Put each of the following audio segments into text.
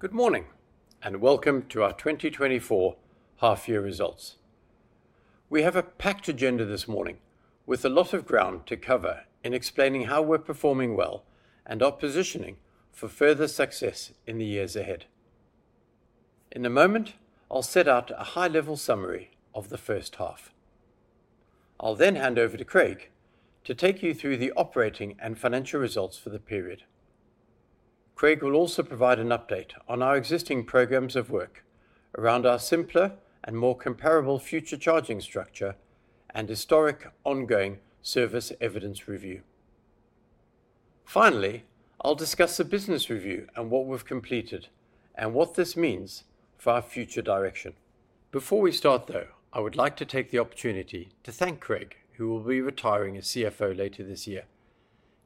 Good morning, and welcome to our 2024 half-year results. We have a packed agenda this morning, with a lot of ground to cover in explaining how we're performing well and our positioning for further success in the years ahead. In a moment, I'll set out a high-level summary of the first half. I'll then hand over to Craig to take you through the operating and financial results for the period. Craig will also provide an update on our existing programs of work around our simpler and more comparable future charging structure and historic ongoing service evidence review. Finally, I'll discuss the business review and what we've completed, and what this means for our future direction. Before we start, though, I would like to take the opportunity to thank Craig, who will be retiring as CFO later this year.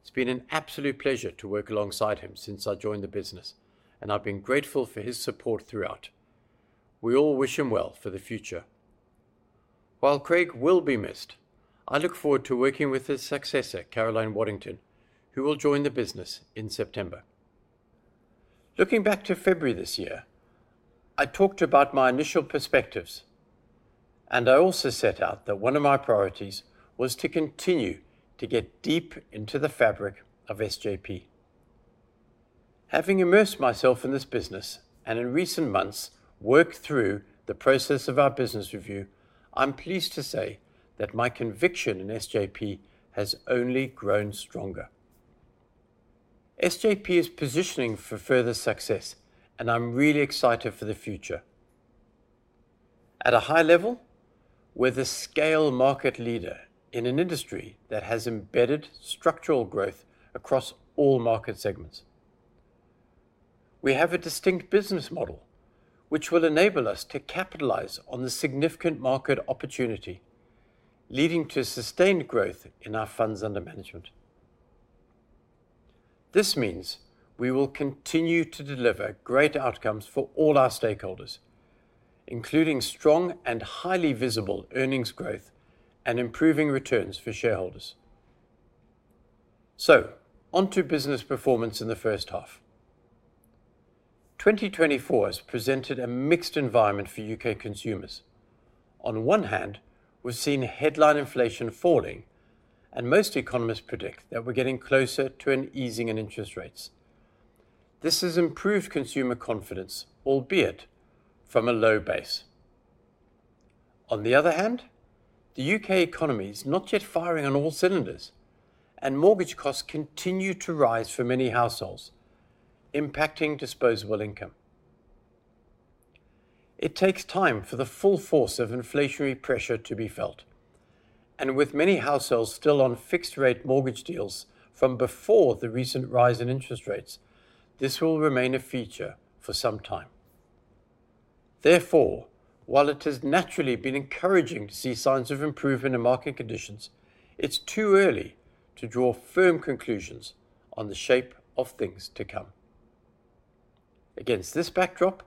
It's been an absolute pleasure to work alongside him since I joined the business, and I've been grateful for his support throughout. We all wish him well for the future. While Craig will be missed, I look forward to working with his successor, Caroline Waddington, who will join the business in September. Looking back to February this year, I talked about my initial perspectives, and I also set out that one of my priorities was to continue to get deep into the fabric of SJP. Having immersed myself in this business and, in recent months, worked through the process of our business review, I'm pleased to say that my conviction in SJP has only grown stronger. SJP is positioning for further success, and I'm really excited for the future. At a high level, we're the scale market leader in an industry that has embedded structural growth across all market segments. We have a distinct business model, which will enable us to capitalize on the significant market opportunity, leading to sustained growth in our funds under management. This means we will continue to deliver great outcomes for all our stakeholders, including strong and highly visible earnings growth and improving returns for shareholders. So, onto business performance in the first half. 2024 has presented a mixed environment for U.K. consumers. On one hand, we've seen headline inflation falling, and most economists predict that we're getting closer to an easing in interest rates. This has improved consumer confidence, albeit from a low base. On the other hand, the U.K. economy is not yet firing on all cylinders, and mortgage costs continue to rise for many households, impacting disposable income. It takes time for the full force of inflationary pressure to be felt, and with many households still on fixed-rate mortgage deals from before the recent rise in interest rates, this will remain a feature for some time. Therefore, while it has naturally been encouraging to see signs of improvement in market conditions, it's too early to draw firm conclusions on the shape of things to come. Against this backdrop,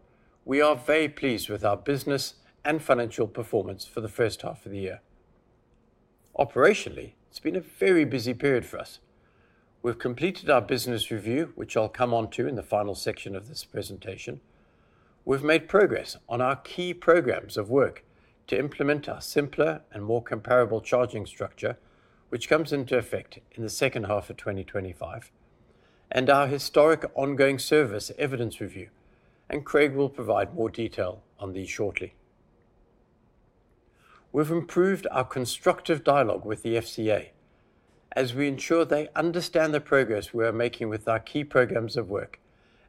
we are very pleased with our business and financial performance for the first half of the year. Operationally, it's been a very busy period for us. We've completed our business review, which I'll come onto in the final section of this presentation. We've made progress on our key programs of work to implement our simpler and more comparable charging structure, which comes into effect in the second half of 2025, and our historic ongoing service evidence review, and Craig will provide more detail on these shortly. We've improved our constructive dialogue with the FCA, as we ensure they understand the progress we are making with our key programs of work,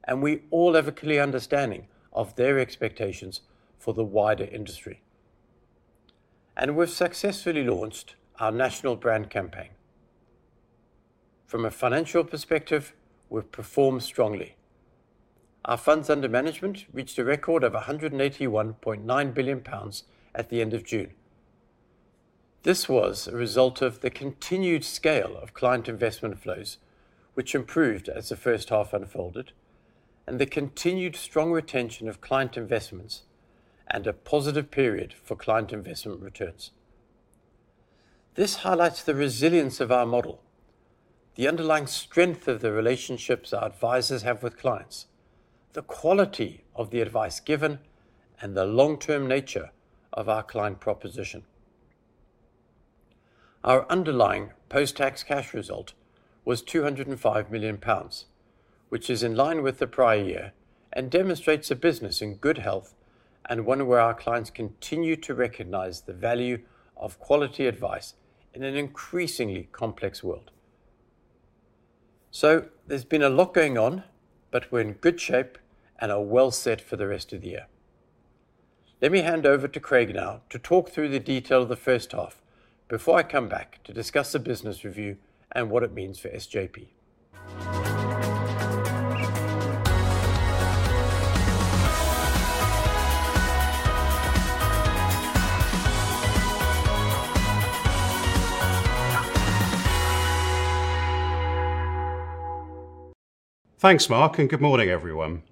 and we all have a clear understanding of their expectations for the wider industry. We've successfully launched our national brand campaign. From a financial perspective, we've performed strongly. Our funds under management reached a record of 181.9 billion pounds at the end of June. This was a result of the continued scale of client investment flows, which improved as the first half unfolded, and the continued strong retention of client investments and a positive period for client investment returns. This highlights the resilience of our model, the underlying strength of the relationships our advisors have with clients, the quality of the advice given, and the long-term nature of our client proposition. Our underlying post-tax cash result was 205 million pounds, which is in line with the prior year and demonstrates a business in good health and one where our clients continue to recognize the value of quality advice in an increasingly complex world. So there's been a lot going on, but we're in good shape and are well set for the rest of the year. Let me hand over to Craig now to talk through the detail of the first half before I come back to discuss the business review and what it means for SJP. Thanks, Mark, and good morning, everyone.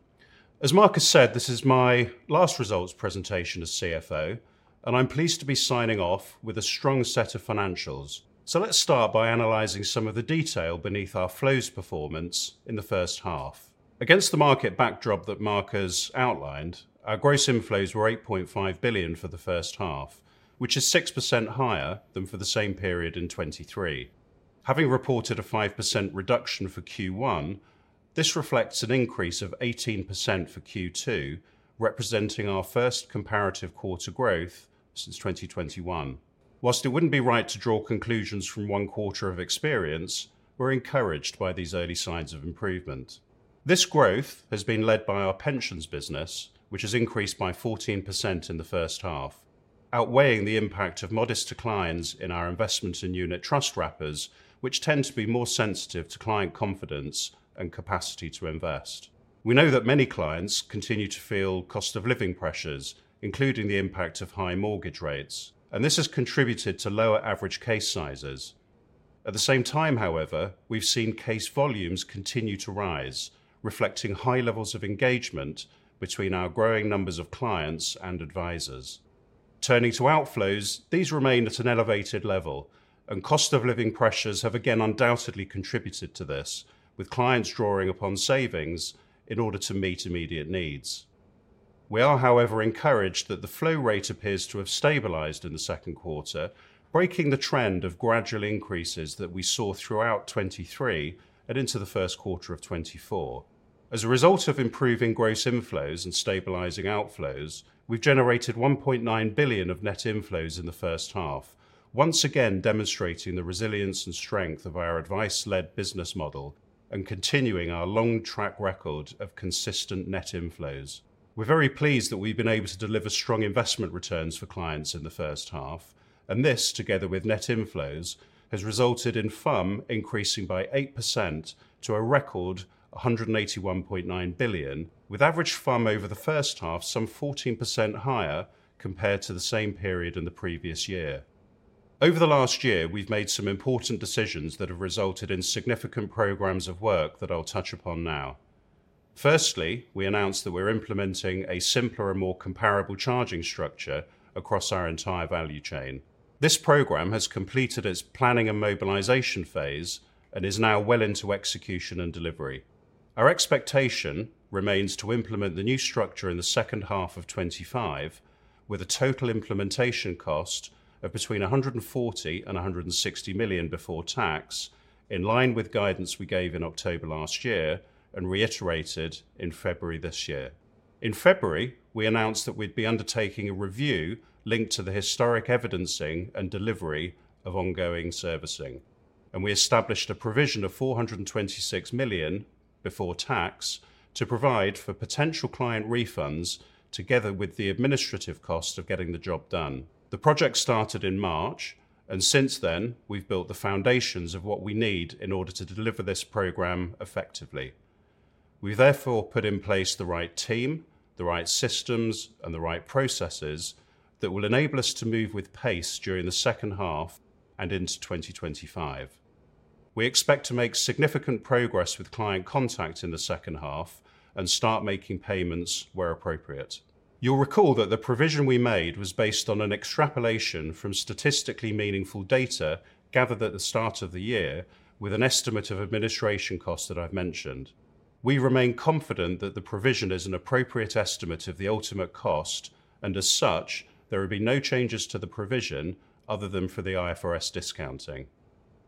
As Mark has said, this is my last results presentation as CFO. and I'm pleased to be signing off with a strong set of financials. Let's start by analyzing some of the detail beneath our flows performance in the first half. Against the market backdrop that Mark has outlined, our gross inflows were 8.5 billion for the first half, which is 6% higher than for the same period in 2023. Having reported a 5% reduction for Q1, this reflects an increase of 18% for Q2, representing our first comparative quarter growth since 2021. Whilst it wouldn't be right to draw conclusions from one quarter of experience, we're encouraged by these early signs of improvement. This growth has been led by our pensions business, which has increased by 14% in the first half, outweighing the impact of modest declines in our investment in unit trust wrappers, which tend to be more sensitive to client confidence and capacity to invest. We know that many clients continue to feel cost of living pressures, including the impact of high mortgage rates, and this has contributed to lower average case sizes. At the same time, however, we've seen case volumes continue to rise, reflecting high levels of engagement between our growing numbers of clients and advisors. Turning to outflows, these remain at an elevated level, and cost of living pressures have again undoubtedly contributed to this, with clients drawing upon savings in order to meet immediate needs. We are, however, encouraged that the flow rate appears to have stabilized in the second quarter, breaking the trend of gradual increases that we saw throughout 2023 and into the first quarter of 2024. As a result of improving gross inflows and stabilizing outflows, we've generated 1.9 billion of net inflows in the first half, once again demonstrating the resilience and strength of our advice-led business model and continuing our long track record of consistent net inflows. We're very pleased that we've been able to deliver strong investment returns for clients in the first half, and this, together with net inflows, has resulted in FUM increasing by 8% to a record 181.9 billion, with average FUM over the first half some 14% higher compared to the same period in the previous year. Over the last year, we've made some important decisions that have resulted in significant programs of work that I'll touch upon now. Firstly, we announced that we're implementing a simpler and more comparable charging structure across our entire value chain. This program has completed its planning and mobilization phase and is now well into execution and delivery. Our expectation remains to implement the new structure in the second half of 2025, with a total implementation cost of between 140 million and 160 million before tax, in line with guidance we gave in October last year and reiterated in February this year. In February, we announced that we'd be undertaking a review linked to the historic evidencing and delivery of ongoing servicing, and we established a provision of 426 million before tax to provide for potential client refunds, together with the administrative cost of getting the job done. The project started in March, and since then, we've built the foundations of what we need in order to deliver this program effectively. We've therefore put in place the right team, the right systems, and the right processes that will enable us to move with pace during the second half and into 2025. We expect to make significant progress with client contact in the second half and start making payments where appropriate. You'll recall that the provision we made was based on an extrapolation from statistically meaningful data gathered at the start of the year, with an estimate of administration costs that I've mentioned. We remain confident that the provision is an appropriate estimate of the ultimate cost, and as such, there will be no changes to the provision other than for the IFRS discounting.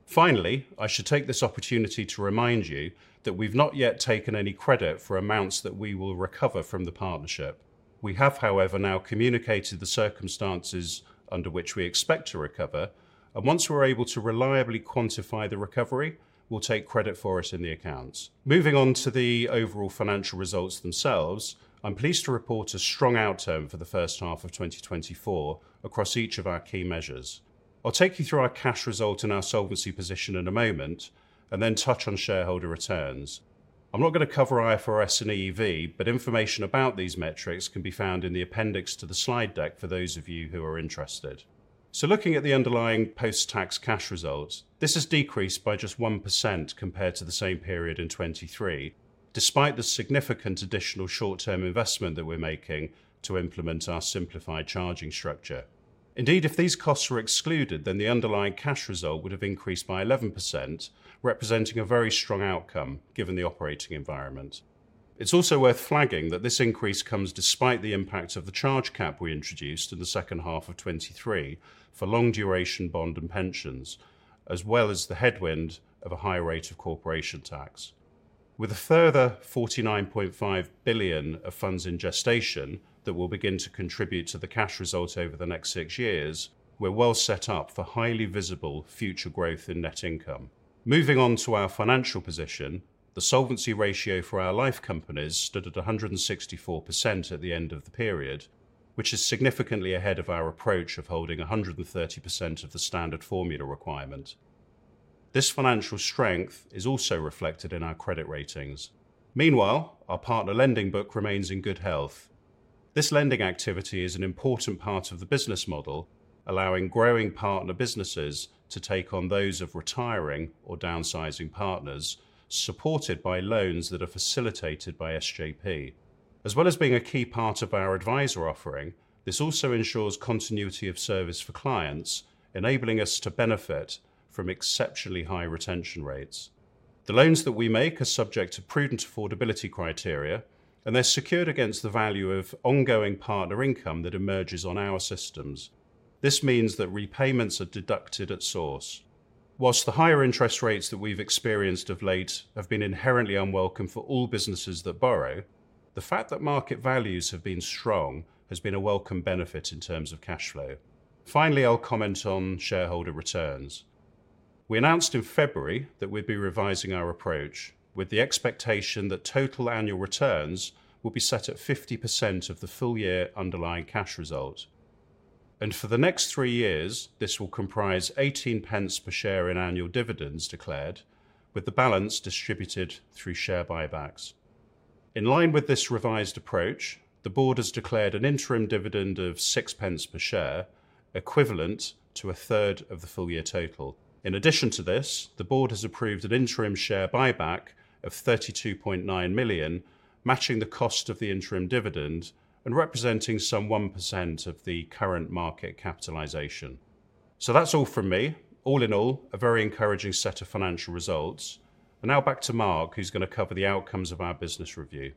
Finally, I should take this opportunity to remind you that we've not yet taken any credit for amounts that we will recover from the Partnership. We have, however, now communicated the circumstances under which we expect to recover, and once we're able to reliably quantify the recovery, we'll take credit for it in the accounts. Moving on to the overall financial results themselves, I'm pleased to report a strong outturn for the first half of 2024 across each of our key measures. I'll take you through our cash result and our solvency position in a moment, and then touch on shareholder returns. I'm not gonna cover IFRS and EEV, but information about these metrics can be found in the appendix to the slide deck for those of you who are interested. So looking at the underlying post-tax cash result, this has decreased by just 1% compared to the same period in 2023, despite the significant additional short-term investment that we're making to implement our simplified charging structure. Indeed, if these costs were excluded, then the underlying cash result would have increased by 11%, representing a very strong outcome given the operating environment. It's also worth flagging that this increase comes despite the impact of the charge cap we introduced in the second half of 2023 for long duration bonds and pensions, as well as the headwind of a higher rate of corporation tax. With a further 49.5 billion of funds in gestation that will begin to contribute to the cash result over the next six years, we're well set up for highly visible future growth in net income. Moving on to our financial position, the solvency ratio for our life companies stood at 164% at the end of the period, which is significantly ahead of our approach of holding 130% of the standard formula requirement. This financial strength is also reflected in our credit ratings. Meanwhile, our partner lending book remains in good health. This lending activity is an important part of the business model, allowing growing partner businesses to take on those of retiring or downsizing partners, supported by loans that are facilitated by SJP. As well as being a key part of our advisor offering, this also ensures continuity of service for clients, enabling us to benefit from exceptionally high retention rates. The loans that we make are subject to prudent affordability criteria, and they're secured against the value of ongoing partner income that emerges on our systems. This means that repayments are deducted at source. Whilst the higher interest rates that we've experienced of late have been inherently unwelcome for all businesses that borrow, the fact that market values have been strong has been a welcome benefit in terms of cash flow. Finally, I'll comment on shareholder returns. We announced in February that we'd be revising our approach, with the expectation that total annual returns will be set at 50% of the full year underlying cash result, and for the next three years, this will comprise 0.18 per share in annual dividends declared, with the balance distributed through share buybacks. In line with this revised approach, the Board has declared an interim dividend of 0.06 per share, equivalent to a third of the full year total. In addition to this, the Board has approved an interim share buyback of 32.9 million, matching the cost of the interim dividend and representing some 1% of the current market capitalization. So that's all from me. All in all, a very encouraging set of financial results, and now back to Mark, who's gonna cover the outcomes of our business review.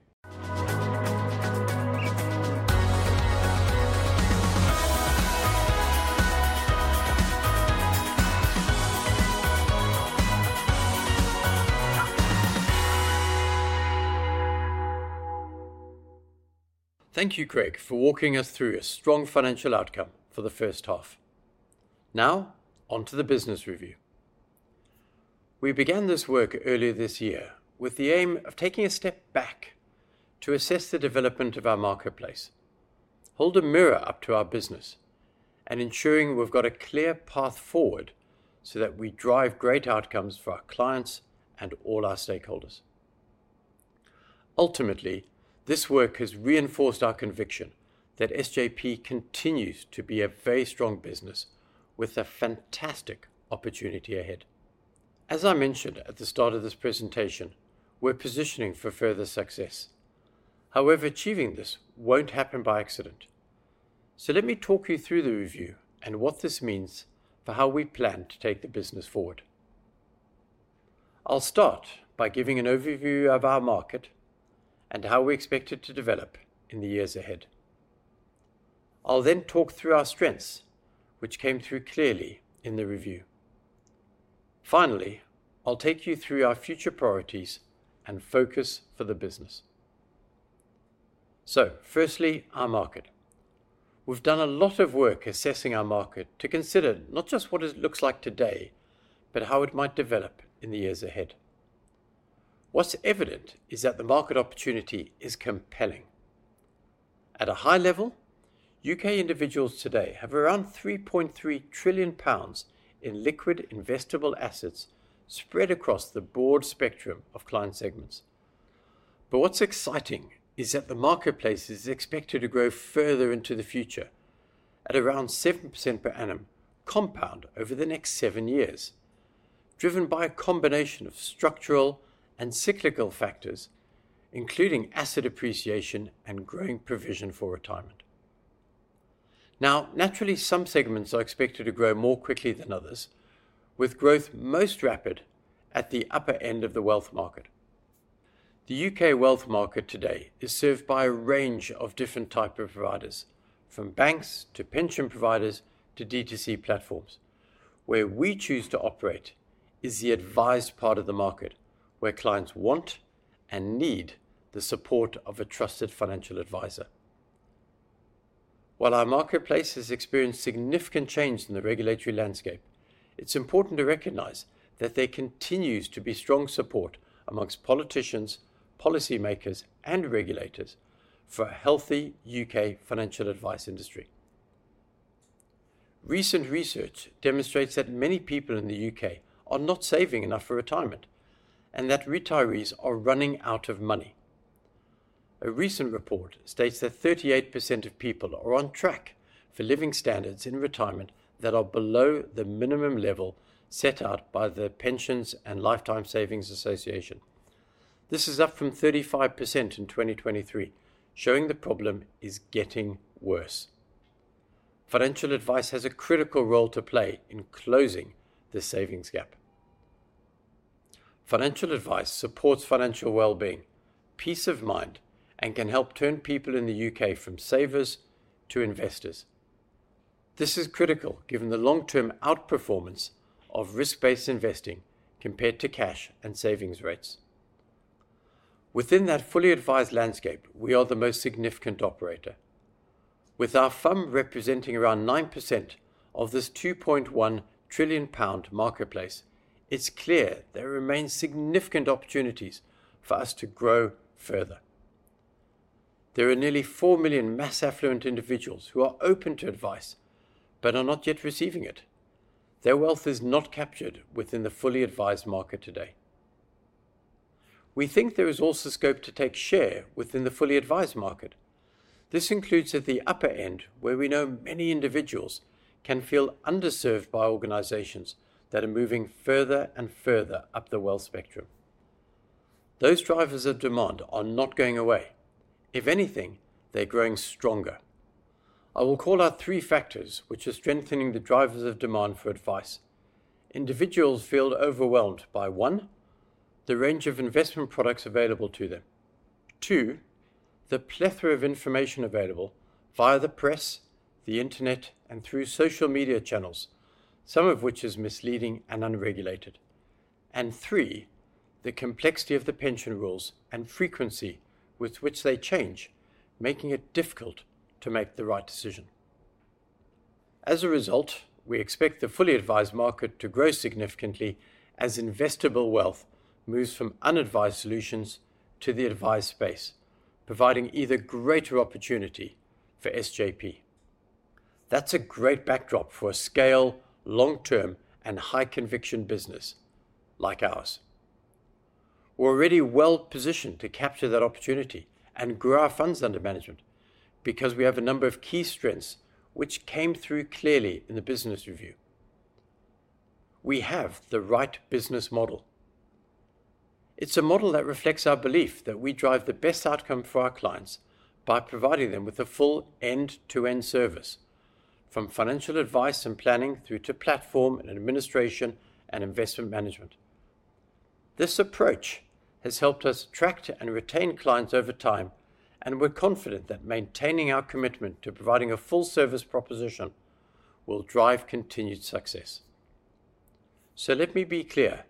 Thank you, Craig, for walking us through a strong financial outcome for the first half. Now, on to the business review. We began this work earlier this year with the aim of taking a step back to assess the development of our marketplace, hold a mirror up to our business, and ensuring we've got a clear path forward so that we drive great outcomes for our clients and all our stakeholders. Ultimately, this work has reinforced our conviction that SJP continues to be a very strong business with a fantastic opportunity ahead. As I mentioned at the start of this presentation, we're positioning for further success. However, achieving this won't happen by accident. So let me talk you through the review and what this means for how we plan to take the business forward. I'll start by giving an overview of our market and how we expect it to develop in the years ahead. I'll then talk through our strengths, which came through clearly in the review. Finally, I'll take you through our future priorities and focus for the business. So firstly, our market. We've done a lot of work assessing our market to consider not just what it looks like today, but how it might develop in the years ahead. What's evident is that the market opportunity is compelling. At a high level, U.K. individuals today have around 3.3 trillion pounds in liquid investable assets spread across the broad spectrum of client segments. What's exciting is that the marketplace is expected to grow further into the future at around 7% per annum, compound over the next 7 years, driven by a combination of structural and cyclical factors, including asset appreciation and growing provision for retirement. Now, naturally, some segments are expected to grow more quickly than others, with growth most rapid at the upper end of the wealth market. The U.K. wealth market today is served by a range of different type of providers, from banks, to pension providers, to D2C platforms. Where we choose to operate is the advised part of the market, where clients want and need the support of a trusted financial advisor. While our marketplace has experienced significant change in the regulatory landscape, it's important to recognize that there continues to be strong support amongst politicians, policymakers, and regulators for a healthy U.K. financial advice industry. Recent research demonstrates that many people in the U.K. are not saving enough for retirement, and that retirees are running out of money. A recent report states that 38% of people are on track for living standards in retirement that are below the minimum level set out by the Pensions and Lifetime Savings Association. This is up from 35% in 2023, showing the problem is getting worse. Financial advice has a critical role to play in closing the savings gap. Financial advice supports financial well-being, peace of mind, and can help turn people in the U.K. from savers to investors. This is critical, given the long-term outperformance of risk-based investing compared to cash and savings rates. Within that fully advised landscape, we are the most significant operator. With our FUM representing around 9% of this 2.1 trillion pound marketplace, it's clear there remains significant opportunities for us to grow further. There are nearly 4 million mass affluent individuals who are open to advice but are not yet receiving it. Their wealth is not captured within the fully advised market today. We think there is also scope to take share within the fully advised market.... This includes at the upper end, where we know many individuals can feel underserved by organizations that are moving further and further up the wealth spectrum. Those drivers of demand are not going away. If anything, they're growing stronger. I will call out three factors which are strengthening the drivers of demand for advice. Individuals feel overwhelmed by, one, the range of investment products available to them. Two, the plethora of information available via the press, the internet, and through social media channels, some of which is misleading and unregulated. And three, the complexity of the pension rules and frequency with which they change, making it difficult to make the right decision. As a result, we expect the fully advised market to grow significantly as investable wealth moves from unadvised solutions to the advised space, providing either greater opportunity for SJP. That's a great backdrop for a scale, long-term, and high-conviction business like ours. We're already well-positioned to capture that opportunity and grow our funds under management, because we have a number of key strengths which came through clearly in the business review. We have the right business model. It's a model that reflects our belief that we drive the best outcome for our clients by providing them with a full end-to-end service, from financial advice and planning through to platform and administration and investment management. This approach has helped us attract and retain clients over time, and we're confident that maintaining our commitment to providing a full service proposition will drive continued success. So let me be clear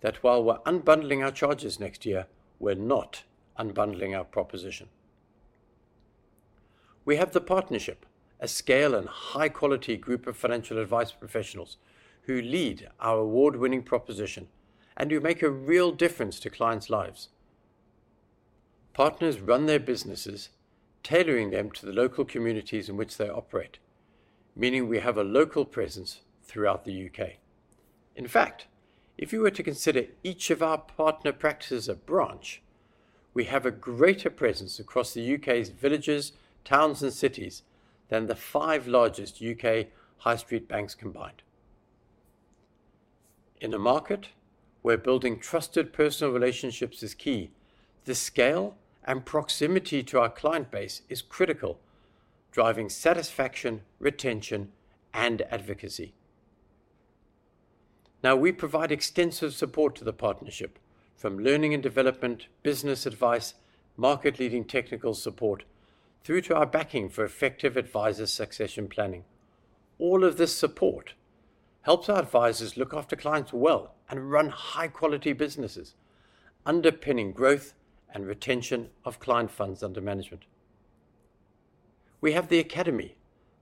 that while we're unbundling our charges next year, we're not unbundling our proposition. We have the Partnership, a scale and high-quality group of financial advice professionals, who lead our award-winning proposition, and who make a real difference to clients' lives. Partners run their businesses, tailoring them to the local communities in which they operate, meaning we have a local presence throughout the UK. In fact, if you were to consider each of our partner practices a branch, we have a greater presence across the UK's villages, towns, and cities than the five largest UK high street banks combined. In a market where building trusted personal relationships is key, the scale and proximity to our client base is critical, driving satisfaction, retention, and advocacy. Now, we provide extensive support to the Partnership, from learning and development, business advice, market-leading technical support, through to our backing for effective advisor succession planning. All of this support helps our advisors look after clients well and run high-quality businesses, underpinning growth and retention of client funds under management. We have the Academy,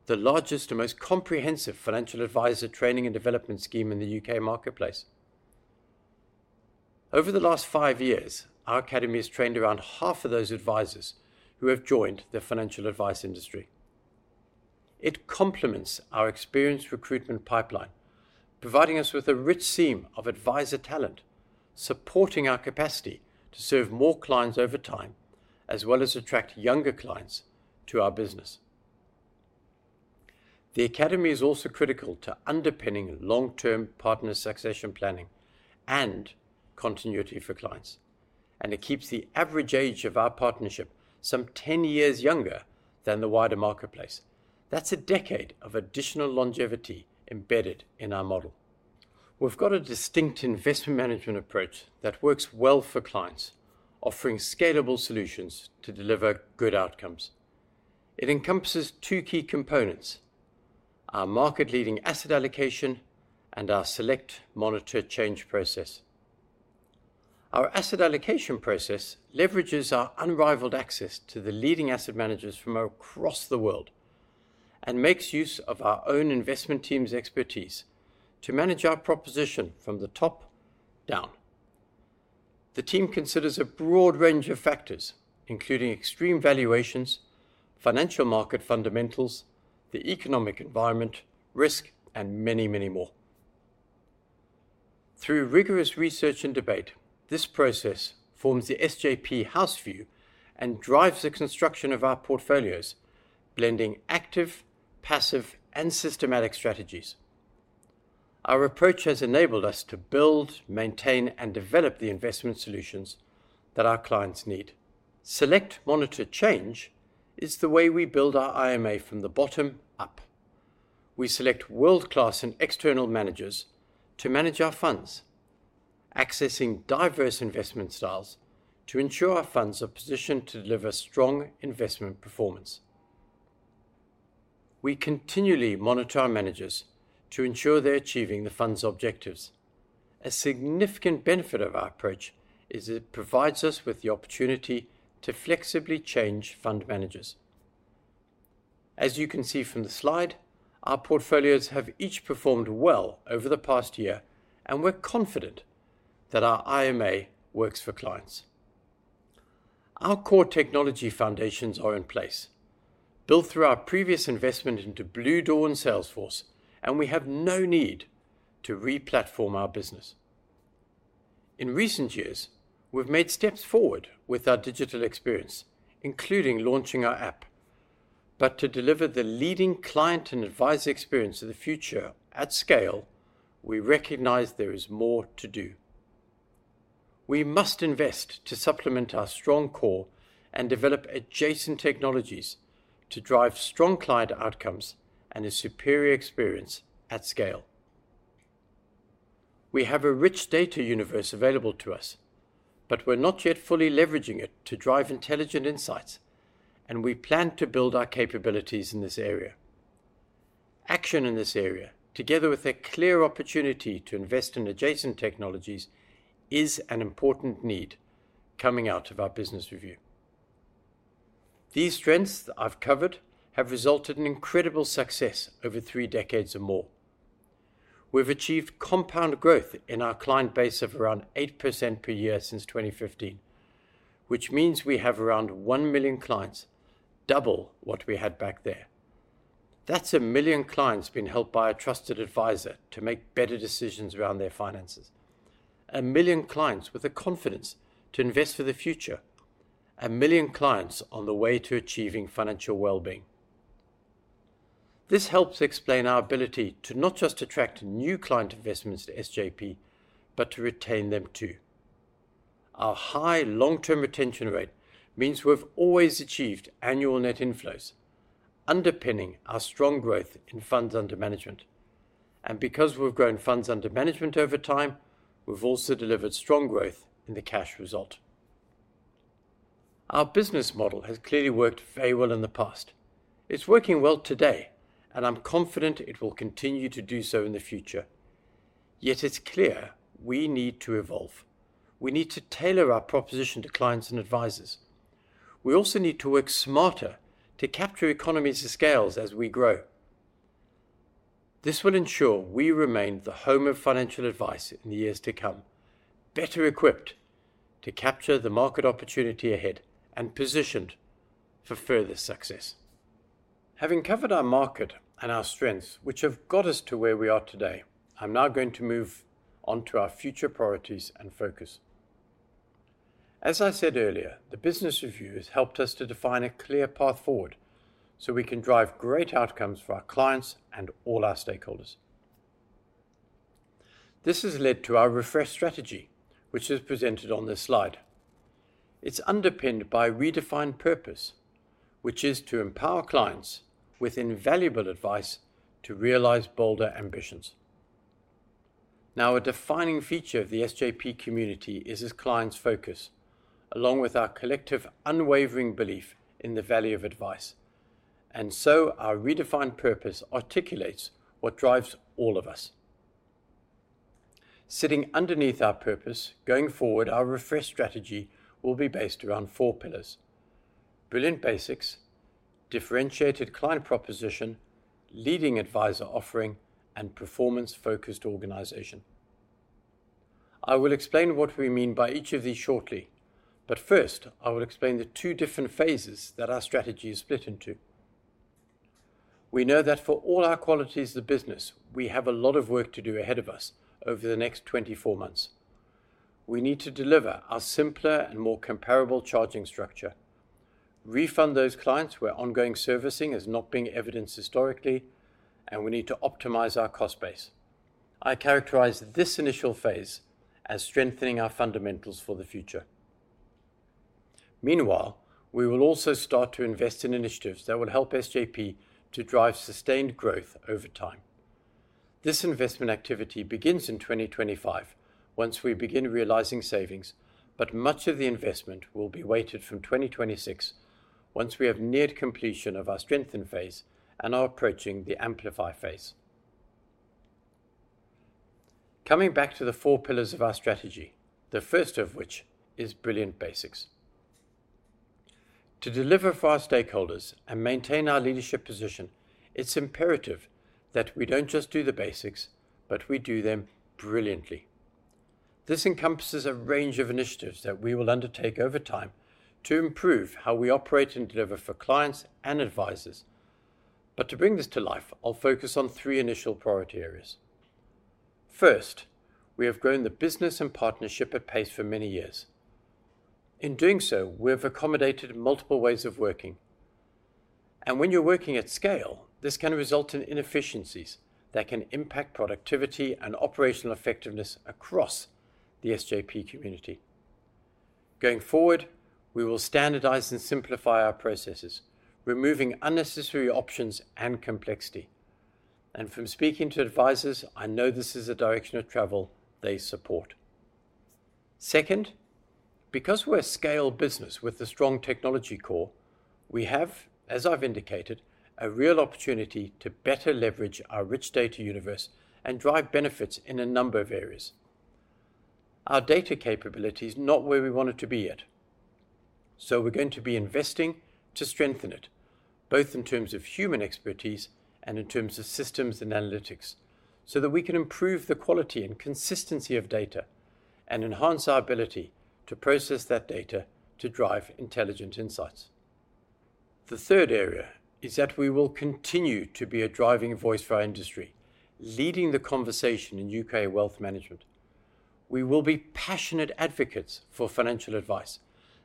the largest and most comprehensive financial advisor training and development scheme in the UK marketplace. Over the last five years, our Academy has trained around half of those advisors who have joined the financial advice industry. It complements our experienced recruitment pipeline, providing us with a rich seam of advisor talent, supporting our capacity to serve more clients over time, as well as attract younger clients to our business. The Academy is also critical to underpinning long-term partner succession planning and continuity for clients, and it keeps the average age of our Partnership some 10 years younger than the wider marketplace. That's a decade of additional longevity embedded in our model. We've got a distinct investment management approach that works well for clients, offering scalable solutions to deliver good outcomes. It encompasses two key components: our market-leading asset allocation and our Select, Monitor, Change process. Our asset allocation process leverages our unrivaled access to the leading asset managers from across the world and makes use of our own investment team's expertise to manage our proposition from the top down. The team considers a broad range of factors, including extreme valuations, financial market fundamentals, the economic environment, risk, and many, many more. Through rigorous research and debate, this process forms the SJP House View and drives the construction of our portfolios, blending active, passive, and systematic strategies. Our approach has enabled us to build, maintain, and develop the investment solutions that our clients need. Select, Monitor, Change is the way we build our IMA from the bottom up. We select world-class and external managers to manage our funds, accessing diverse investment styles to ensure our funds are positioned to deliver strong investment performance. We continually monitor our managers to ensure they're achieving the fund's objectives. A significant benefit of our approach is it provides us with the opportunity to flexibly change fund managers. As you can see from the slide, our portfolios have each performed well over the past year, and we're confident that our IMA works for clients. Our core technology foundations are in place, built through our previous investment into Bluedoor, Salesforce, and we have no need to re-platform our business.... In recent years, we've made steps forward with our digital experience, including launching our app. But to deliver the leading client and advisor experience of the future at scale, we recognize there is more to do. We must invest to supplement our strong core and develop adjacent technologies to drive strong client outcomes and a superior experience at scale. We have a rich data universe available to us, but we're not yet fully leveraging it to drive intelligent insights, and we plan to build our capabilities in this area. Action in this area, together with a clear opportunity to invest in adjacent technologies, is an important need coming out of our business review. These strengths that I've covered have resulted in incredible success over three decades or more. We've achieved compound growth in our client base of around 8% per year since 2015, which means we have around 1 million clients, double what we had back then. That's 1 million clients being helped by a trusted advisor to make better decisions around their finances. 1 million clients with the confidence to invest for the future. 1 million clients on the way to achieving financial well-being. This helps explain our ability to not just attract new client investments to SJP, but to retain them, too. Our high long-term retention rate means we've always achieved annual net inflows, underpinning our strong growth in funds under management. And because we've grown funds under management over time, we've also delivered strong growth in the cash result. Our business model has clearly worked very well in the past. It's working well today, and I'm confident it will continue to do so in the future. Yet it's clear we need to evolve. We need to tailor our proposition to clients and advisors. We also need to work smarter to capture economies of scale as we grow. This will ensure we remain the home of financial advice in the years to come, better equipped to capture the market opportunity ahead and positioned for further success. Having covered our market and our strengths, which have got us to where we are today, I'm now going to move on to our future priorities and focus. As I said earlier, the business review has helped us to define a clear path forward so we can drive great outcomes for our clients and all our stakeholders. This has led to our refreshed strategy, which is presented on this slide. It's underpinned by a redefined purpose, which is to empower clients with invaluable advice to realize bolder ambitions. Now, a defining feature of the SJP community is its clients' focus, along with our collective, unwavering belief in the value of advice. And so our redefined purpose articulates what drives all of us. Sitting underneath our purpose, going forward, our refreshed strategy will be based around four pillars: Brilliant Basics, Differentiated Client Proposition, Leading Adviser Offering, and Performance-Focused Organization. I will explain what we mean by each of these shortly, but first, I will explain the two different phases that our strategy is split into. We know that for all our qualities of the business, we have a lot of work to do ahead of us over the next 24 months. We need to deliver a simpler and more comparable charging structure, refund those clients where ongoing servicing is not being evidenced historically, and we need to optimize our cost base. I characterize this initial phase as strengthening our fundamentals for the future. Meanwhile, we will also start to invest in initiatives that will help SJP to drive sustained growth over time. This investment activity begins in 2025, once we begin realizing savings, but much of the investment will be weighted from 2026, once we have neared completion of our Strengthen phase and are approaching the Amplify phase. Coming back to the 4 pillars of our strategy, the first of which is Brilliant Basics. To deliver for our stakeholders and maintain our leadership position, it's imperative that we don't just do the basics, but we do them brilliantly. This encompasses a range of initiatives that we will undertake over time to improve how we operate and deliver for clients and advisors. To bring this to life, I'll focus on three initial priority areas. First, we have grown the business in Partnership at pace for many years. In doing so, we have accommodated multiple ways of working, and when you're working at scale, this can result in inefficiencies that can impact productivity and operational effectiveness across the SJP community. Going forward, we will standardize and simplify our processes, removing unnecessary options and complexity. From speaking to advisors, I know this is a direction of travel they support. Second, because we're a scale business with a strong technology core, we have, as I've indicated, a real opportunity to better leverage our rich data universe and drive benefits in a number of areas. Our data capability is not where we want it to be yet, so we're going to be investing to Strengthen it, both in terms of human expertise and in terms of systems and analytics, so that we can improve the quality and consistency of data and enhance our ability to process that data to drive intelligent insights.... The third area is that we will continue to be a driving voice for our industry, leading the conversation in UK wealth management. We will be passionate advocates for financial advice,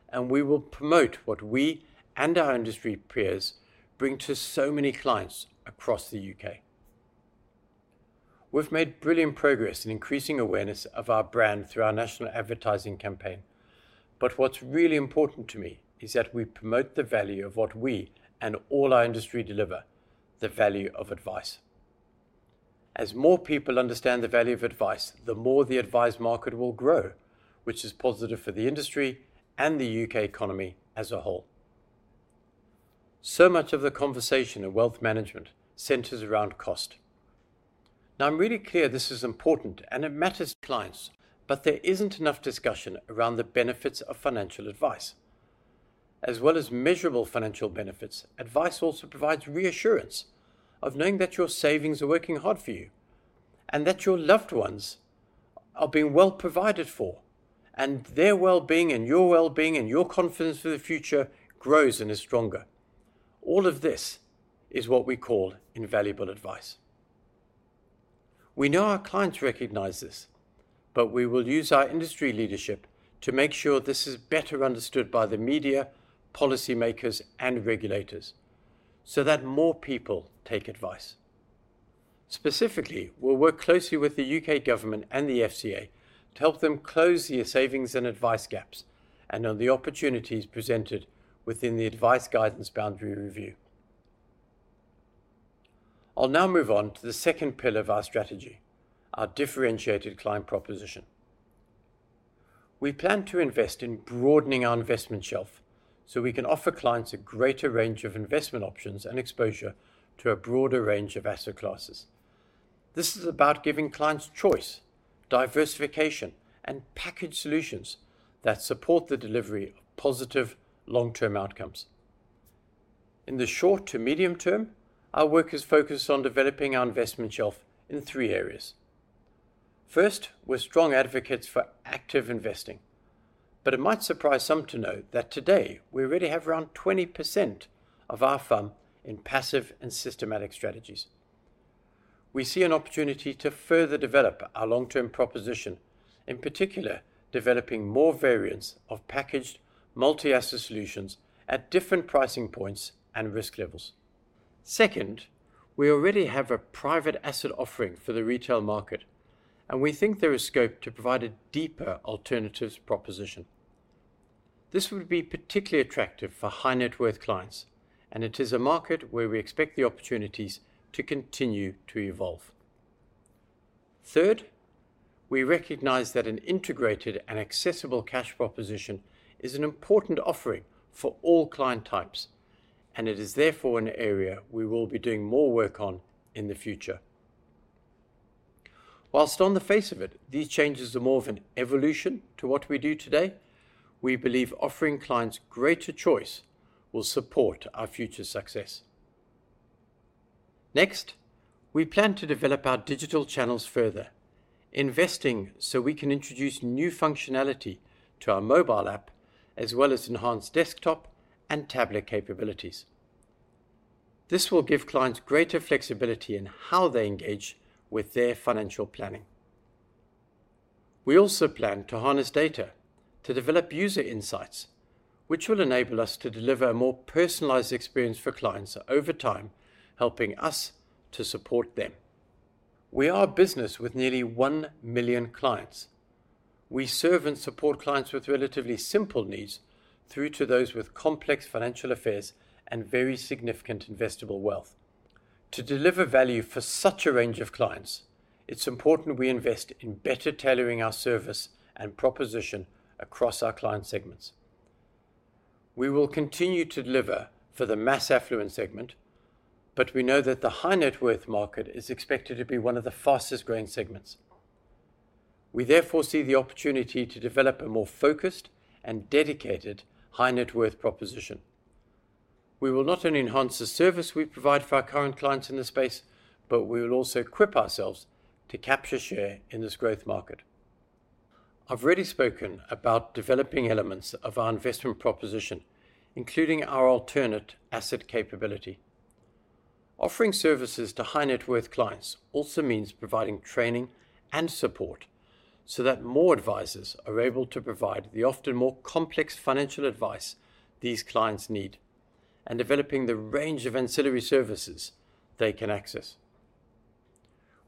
and we will promote what we and our industry peers bring to so many clients across the UK. We've made brilliant progress in increasing awareness of our brand through our national advertising campaign, but what's really important to me is that we promote the value of what we and all our industry deliver, the value of advice. As more people understand the value of advice, the more the advice market will grow, which is positive for the industry and the UK economy as a whole. So much of the conversation of wealth management centers around cost. Now, I'm really clear this is important, and it matters to clients, but there isn't enough discussion around the benefits of financial advice. As well as measurable financial benefits, advice also provides reassurance of knowing that your savings are working hard for you and that your loved ones are being well provided for, and their well-being and your well-being and your confidence for the future grows and is stronger. All of this is what we call invaluable advice. We know our clients recognize this, but we will use our industry leadership to make sure this is better understood by the media, policymakers, and regulators so that more people take advice. Specifically, we'll work closely with the UK government and the FCA to help them close the savings and advice gaps and on the opportunities presented within the Advice Guidance Boundary Review. I'll now move on to the second pillar of our strategy, our Differentiated Client Proposition. We plan to invest in broadening our investment shelf so we can offer clients a greater range of investment options and exposure to a broader range of asset classes. This is about giving clients choice, diversification, and package solutions that support the delivery of positive long-term outcomes. In the short to medium term, our work is focused on developing our investment shelf in three areas. First, we're strong advocates for active investing, but it might surprise some to know that today we already have around 20% of our firm in passive and systematic strategies. We see an opportunity to further develop our long-term proposition, in particular, developing more variants of packaged multi-asset solutions at different pricing points and risk levels. Second, we already have a private asset offering for the retail market, and we think there is scope to provide a deeper alternatives proposition. This would be particularly attractive for high-net-worth clients, and it is a market where we expect the opportunities to continue to evolve. Third, we recognize that an integrated and accessible cash proposition is an important offering for all client types, and it is therefore an area we will be doing more work on in the future. While on the face of it, these changes are more of an evolution to what we do today, we believe offering clients greater choice will support our future success. Next, we plan to develop our digital channels further, investing so we can introduce new functionality to our mobile app, as well as enhanced desktop and tablet capabilities. This will give clients greater flexibility in how they engage with their financial planning. We also plan to harness data to develop user insights, which will enable us to deliver a more personalized experience for clients over time, helping us to support them. We are a business with nearly one million clients. We serve and support clients with relatively simple needs through to those with complex financial affairs and very significant investable wealth. To deliver value for such a range of clients, it's important we invest in better tailoring our service and proposition across our client segments. We will continue to deliver for the mass affluent segment, but we know that the high-net-worth market is expected to be one of the fastest-growing segments. We therefore see the opportunity to develop a more focused and dedicated high-net-worth proposition. We will not only enhance the service we provide for our current clients in this space, but we will also equip ourselves to capture share in this growth market. I've already spoken about developing elements of our investment proposition, including our alternate asset capability. Offering services to high-net-worth clients also means providing training and support so that more advisors are able to provide the often more complex financial advice these clients need and developing the range of ancillary services they can access.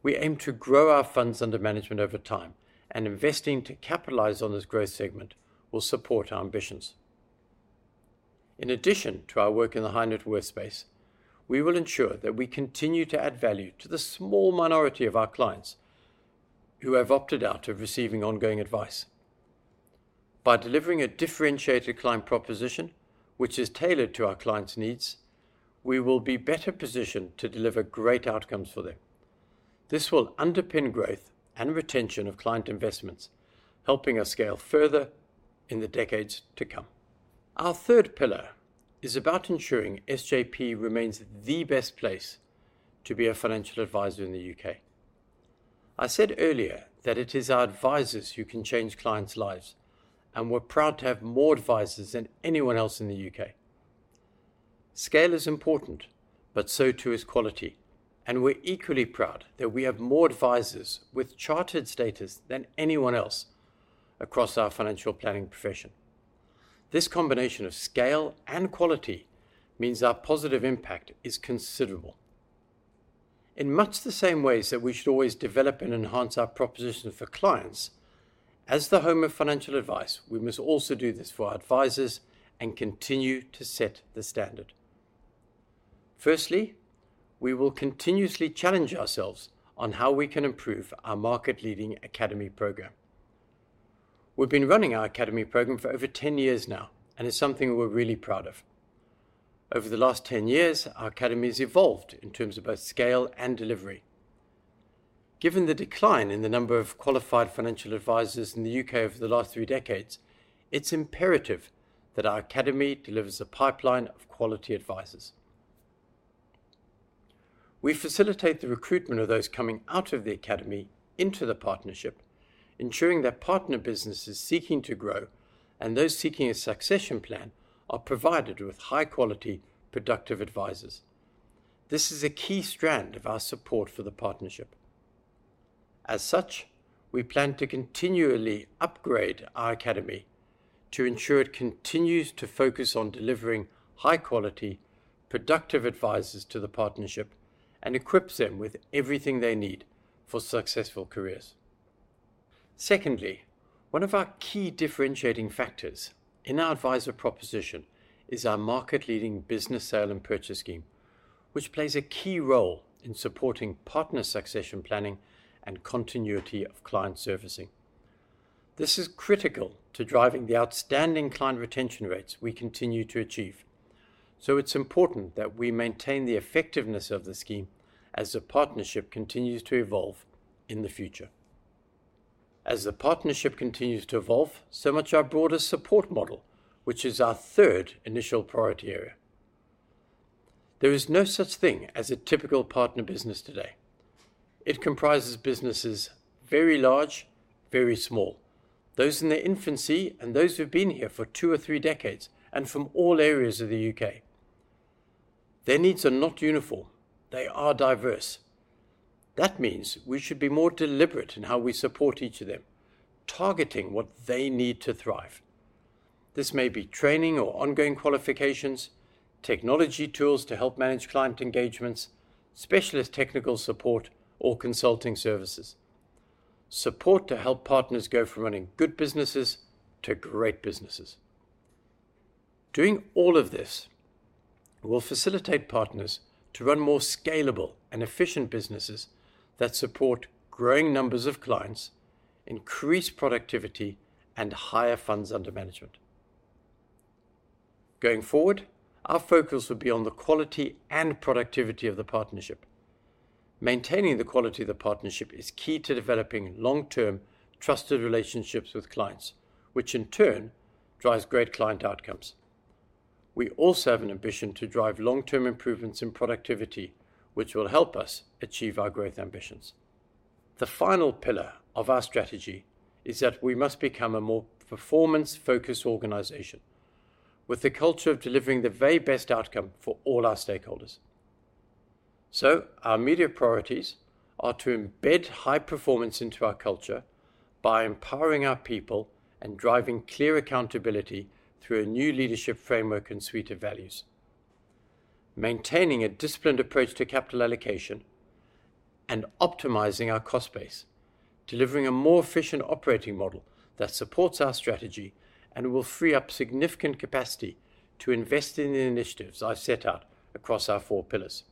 We aim to grow our funds under management over time, and investing to capitalize on this growth segment will support our ambitions. In addition to our work in the high-net-worth space, we will ensure that we continue to add value to the small minority of our clients who have opted out of receiving ongoing advice. By delivering a Differentiated Client Proposition, which is tailored to our clients' needs, we will be better positioned to deliver great outcomes for them. This will underpin growth and retention of client investments, helping us scale further in the decades to come. Our third pillar is about ensuring SJP remains the best place to be a financial advisor in the UK. I said earlier that it is our advisors who can change clients' lives, and we're proud to have more advisors than anyone else in the UK. Scale is important, but so, too, is quality, and we're equally proud that we have more advisors with chartered status than anyone else across our financial planning profession. This combination of scale and quality means our positive impact is considerable. In much the same ways that we should always develop and enhance our proposition for clients, as the home of financial advice, we must also do this for our advisors and continue to set the standard. Firstly, we will continuously challenge ourselves on how we can improve our market-leading Academy program. We've been running our Academy program for over 10 years now, and it's something we're really proud of. Over the last 10 years, our Academy has evolved in terms of both scale and delivery. Given the decline in the number of qualified financial advisors in the U.K. over the last three decades, it's imperative that our Academy delivers a pipeline of quality advisors. We facilitate the recruitment of those coming out of the Academy into the Partnership, ensuring that partner businesses seeking to grow and those seeking a succession plan are provided with high-quality, productive advisors. This is a key strand of our support for the Partnership. As such, we plan to continually upgrade our Academy to ensure it continues to focus on delivering high-quality, productive advisors to the Partnership and equips them with everything they need for successful careers. Secondly, one of our key differentiating factors in our advisor proposition is our market-leading Business Sale and Purchase scheme, which plays a key role in supporting partner succession planning and continuity of client servicing. This is critical to driving the outstanding client retention rates we continue to achieve. So it's important that we maintain the effectiveness of the scheme as the Partnership continues to evolve in the future. As the Partnership continues to evolve, so must our broader support model, which is our third initial priority area. There is no such thing as a typical partner business today. It comprises businesses very large, very small, those in their infancy, and those who've been here for two or three decades, and from all areas of the UK. Their needs are not uniform, they are diverse. That means we should be more deliberate in how we support each of them, targeting what they need to thrive. This may be training or ongoing qualifications, technology tools to help manage client engagements, specialist technical support, or consulting services. Support to help partners go from running good businesses to great businesses. Doing all of this will facilitate partners to run more scalable and efficient businesses that support growing numbers of clients, increase productivity, and higher funds under management. Going forward, our focus will be on the quality and productivity of the Partnership. Maintaining the quality of the Partnership is key to developing long-term, trusted relationships with clients, which in turn drives great client outcomes. We also have an ambition to drive long-term improvements in productivity, which will help us achieve our growth ambitions. The final pillar of our strategy is that we must become a more Performance-Focused Organization with the culture of delivering the very best outcome for all our stakeholders. Our immediate priorities are to embed high performance into our culture by empowering our people and driving clear accountability through a new leadership framework and suite of values, maintaining a disciplined approach to capital allocation and optimizing our cost base, delivering a more efficient operating model that supports our strategy and will free up significant capacity to invest in the initiatives I've set out across our four pillars.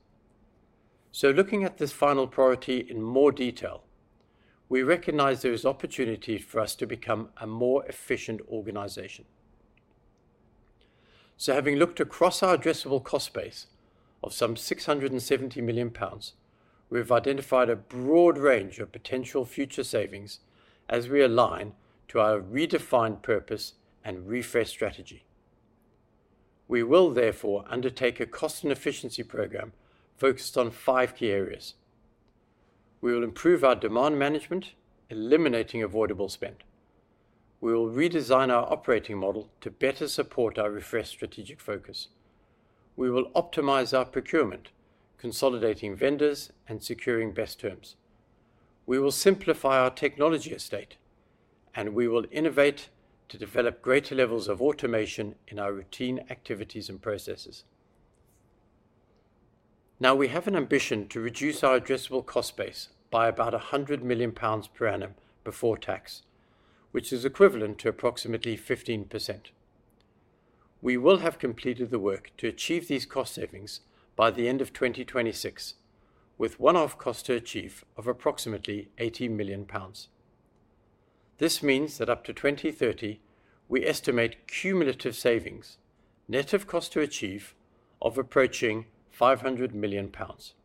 Looking at this final priority in more detail, we recognize there is opportunity for us to become a more efficient organization. So having looked across our addressable cost base of some 670 million pounds, we've identified a broad range of potential future savings as we align to our redefined purpose and refreshed strategy. We will, therefore, undertake a cost and efficiency program focused on five key areas. We will improve our demand management, eliminating avoidable spend. We will redesign our operating model to better support our refreshed strategic focus. We will optimize our procurement, consolidating vendors and securing best terms. We will simplify our technology estate, and we will innovate to develop greater levels of automation in our routine activities and processes. Now, we have an ambition to reduce our addressable cost base by about 100 million pounds per annum before tax, which is equivalent to approximately 15%. We will have completed the work to achieve these cost savings by the end of 2026, with one-off cost to achieve of approximately 80 million pounds. This means that up to 2030, we estimate cumulative savings, net of cost to achieve, of approaching 500 million pounds.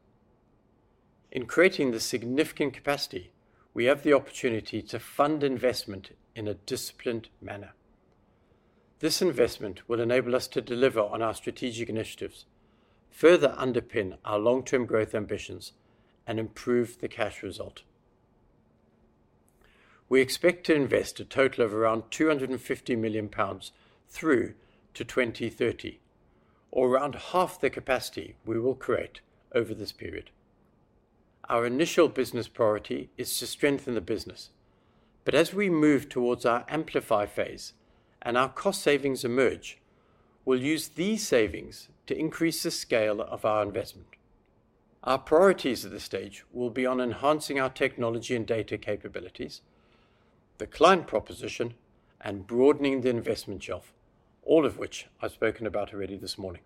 In creating the significant capacity, we have the opportunity to fund investment in a disciplined manner.... This investment will enable us to deliver on our strategic initiatives, further underpin our long-term growth ambitions, and improve the cash result. We expect to invest a total of around 250 million pounds through to 2030, or around half the capacity we will create over this period. Our initial business priority is to Strengthen the business, but as we move towards our Amplify phase and our cost savings emerge, we'll use these savings to increase the scale of our investment. Our priorities at this stage will be on enhancing our technology and data capabilities, the client proposition, and broadening the investment shelf, all of which I've spoken about already this morning.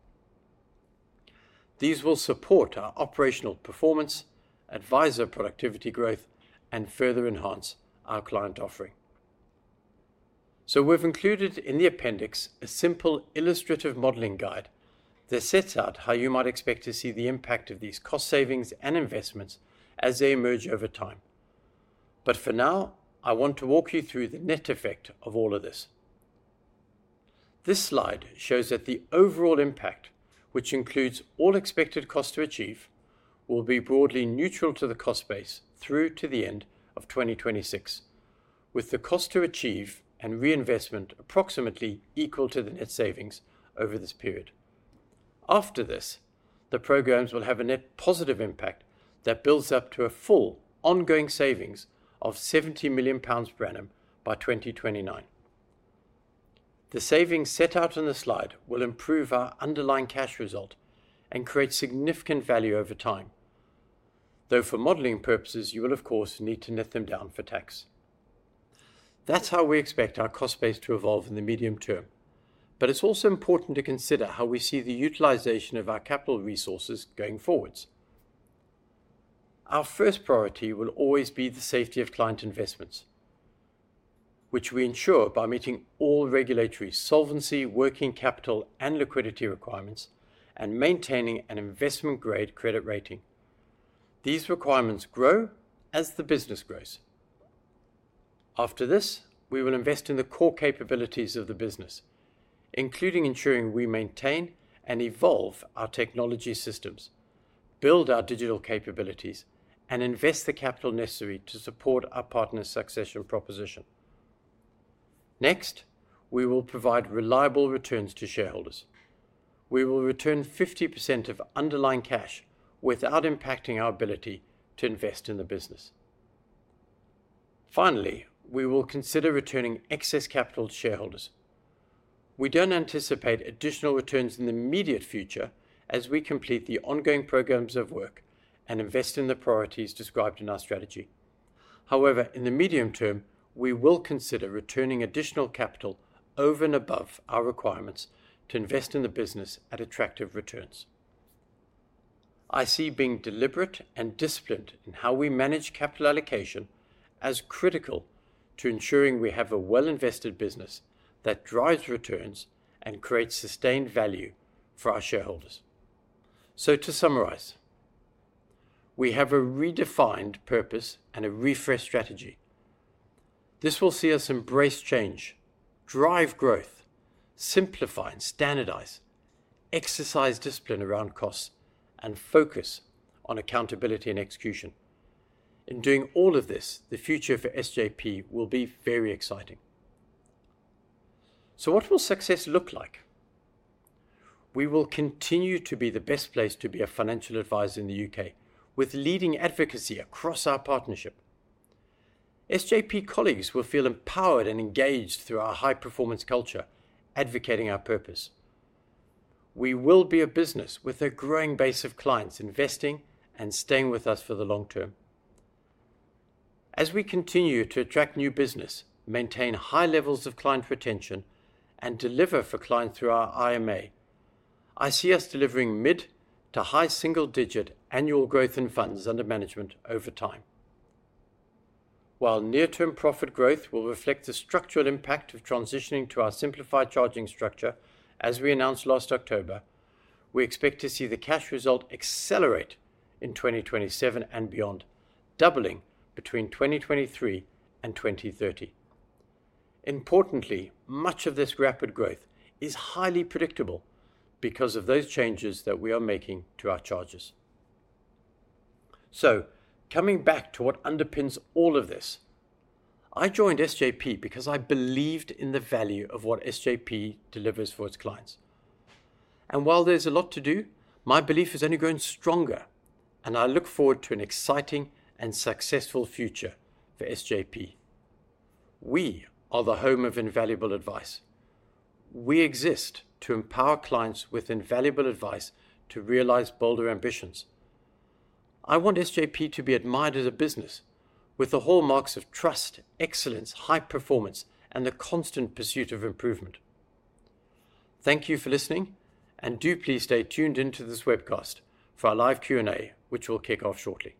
These will support our operational performance, advisor productivity growth, and further enhance our client offering. So we've included in the appendix a simple illustrative modeling guide that sets out how you might expect to see the impact of these cost savings and investments as they emerge over time. But for now, I want to walk you through the net effect of all of this. This slide shows that the overall impact, which includes all expected cost to achieve, will be broadly neutral to the cost base through to the end of 2026, with the cost to achieve and reinvestment approximately equal to the net savings over this period. After this, the programs will have a net positive impact that builds up to a full ongoing savings of 70 million pounds per annum by 2029. The savings set out in the slide will improve our underlying cash result and create significant value over time, though for modeling purposes, you will, of course, need to net them down for tax. That's how we expect our cost base to evolve in the medium term, but it's also important to consider how we see the utilization of our capital resources going forwards. Our first priority will always be the safety of client investments, which we ensure by meeting all regulatory solvency, working capital, and liquidity requirements, and maintaining an investment-grade credit rating. These requirements grow as the business grows. After this, we will invest in the core capabilities of the business, including ensuring we maintain and evolve our technology systems, build our digital capabilities, and invest the capital necessary to support our partner succession proposition. Next, we will provide reliable returns to shareholders. We will return 50% of underlying cash without impacting our ability to invest in the business. Finally, we will consider returning excess capital to shareholders. We don't anticipate additional returns in the immediate future as we complete the ongoing programs of work and invest in the priorities described in our strategy. However, in the medium term, we will consider returning additional capital over and above our requirements to invest in the business at attractive returns. I see being deliberate and disciplined in how we manage capital allocation as critical to ensuring we have a well-invested business that drives returns and creates sustained value for our shareholders. So to summarize, we have a redefined purpose and a refreshed strategy. This will see us embrace change, drive growth, simplify and standardize, exercise discipline around costs, and focus on accountability and execution. In doing all of this, the future for SJP will be very exciting. So what will success look like? We will continue to be the best place to be a financial advisor in the U.K., with leading advocacy across our Partnership. SJP colleagues will feel empowered and engaged through our high-performance culture, advocating our purpose. We will be a business with a growing base of clients investing and staying with us for the long term. As we continue to attract new business, maintain high levels of client retention, and deliver for clients through our IMA, I see us delivering mid- to high single-digit annual growth in funds under management over time. While near-term profit growth will reflect the structural impact of transitioning to our simplified charging structure, as we announced last October, we expect to see the cash result accelerate in 2027 and beyond, doubling between 2023 and 2030. Importantly, much of this rapid growth is highly predictable because of those changes that we are making to our charges. So coming back to what underpins all of this, I joined SJP because I believed in the value of what SJP delivers for its clients. And while there's a lot to do, my belief has only grown stronger, and I look forward to an exciting and successful future for SJP. We are the home of invaluable advice. We exist to empower clients with invaluable advice to realize bolder ambitions. I want SJP to be admired as a business with the hallmarks of trust, excellence, high performance, and the constant pursuit of improvement. Thank you for listening, and do please stay tuned into this webcast for our live Q&A, which will kick off shortly.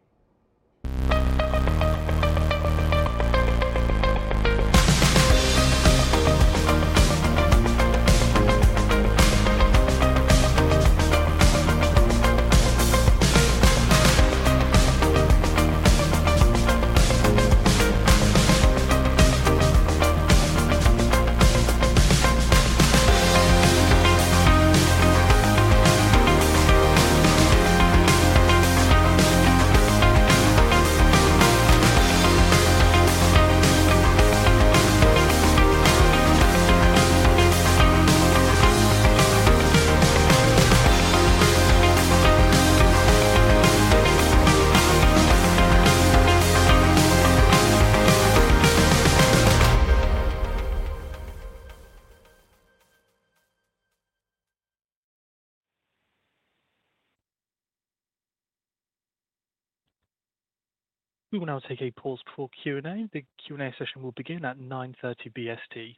We will now take a pause for Q&A. The Q&A session will begin at 9:30 A.M. BST.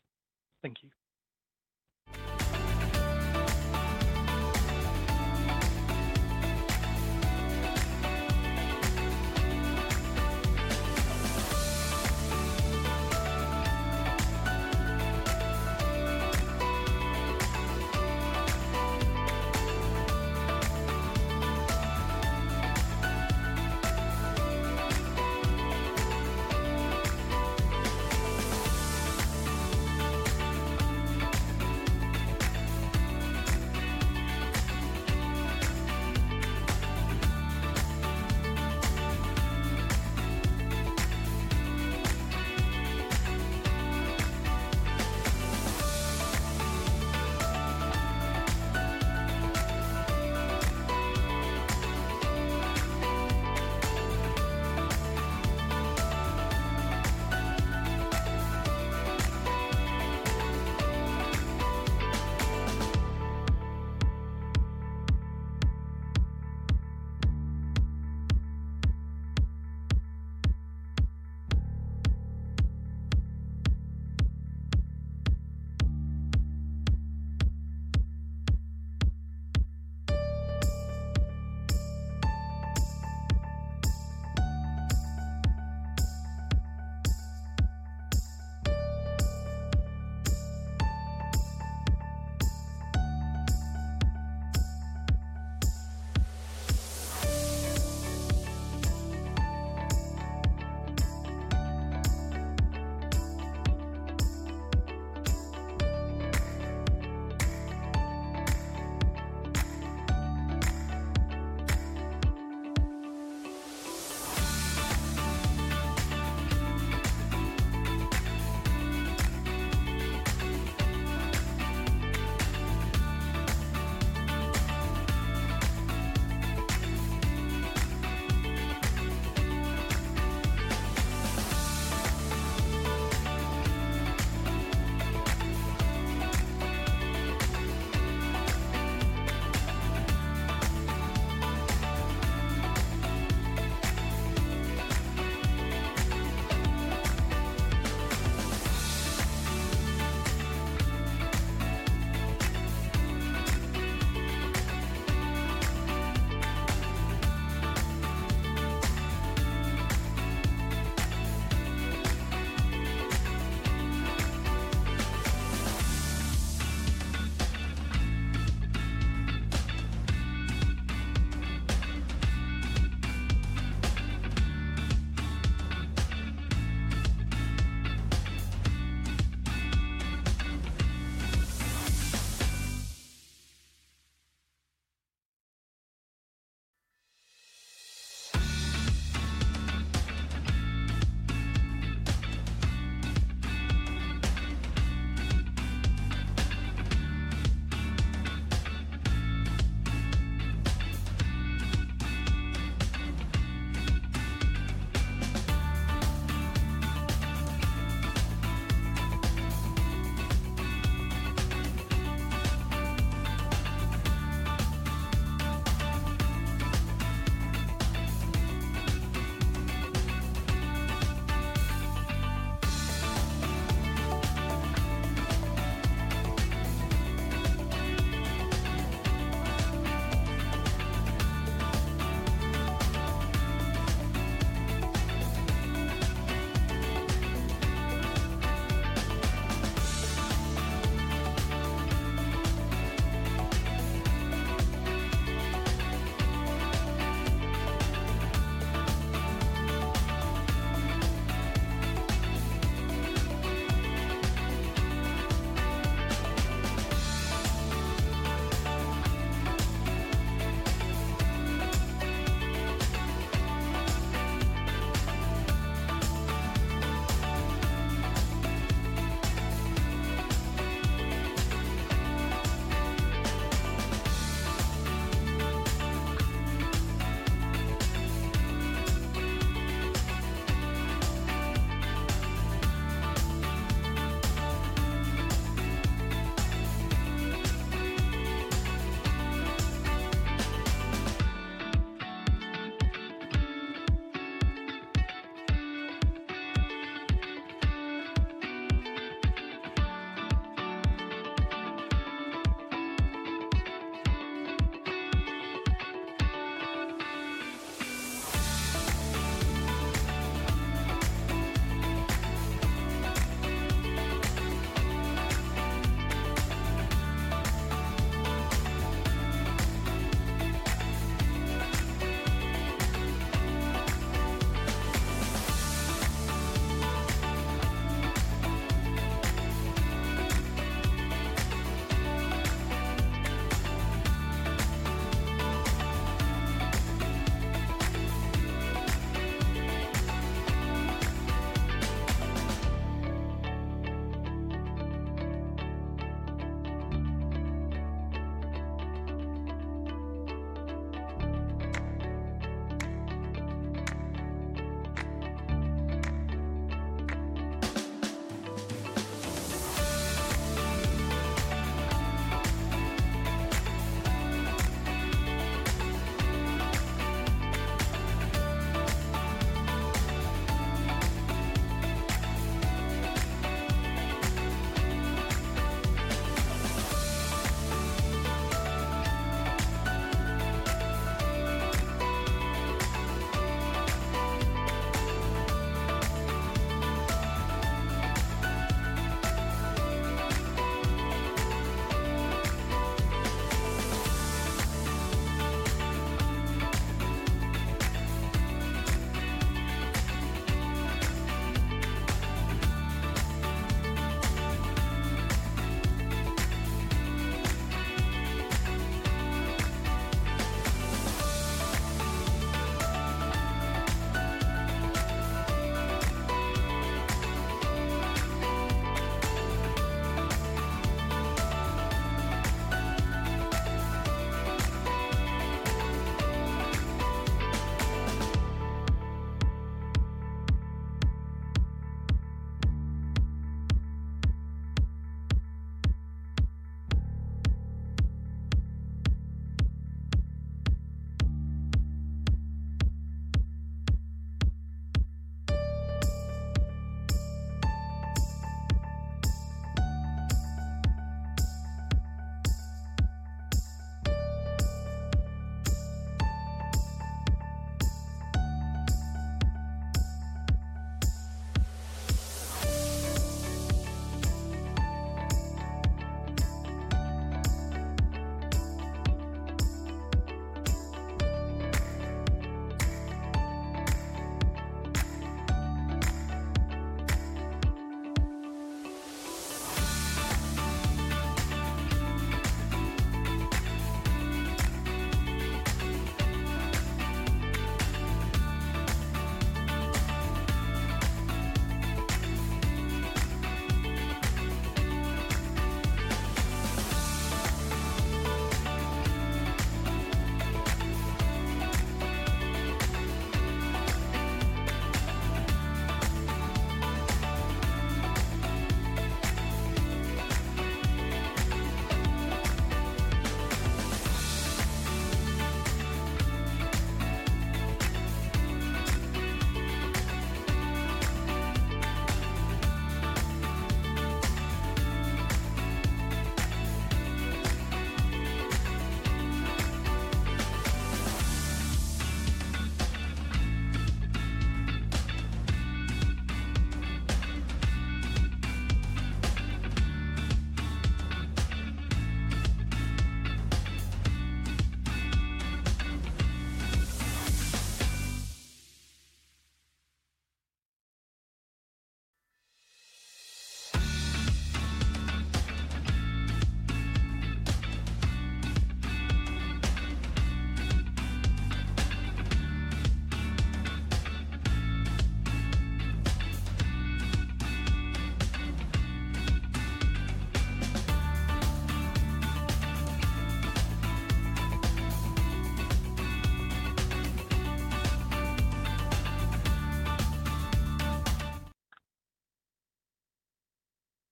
Thank you.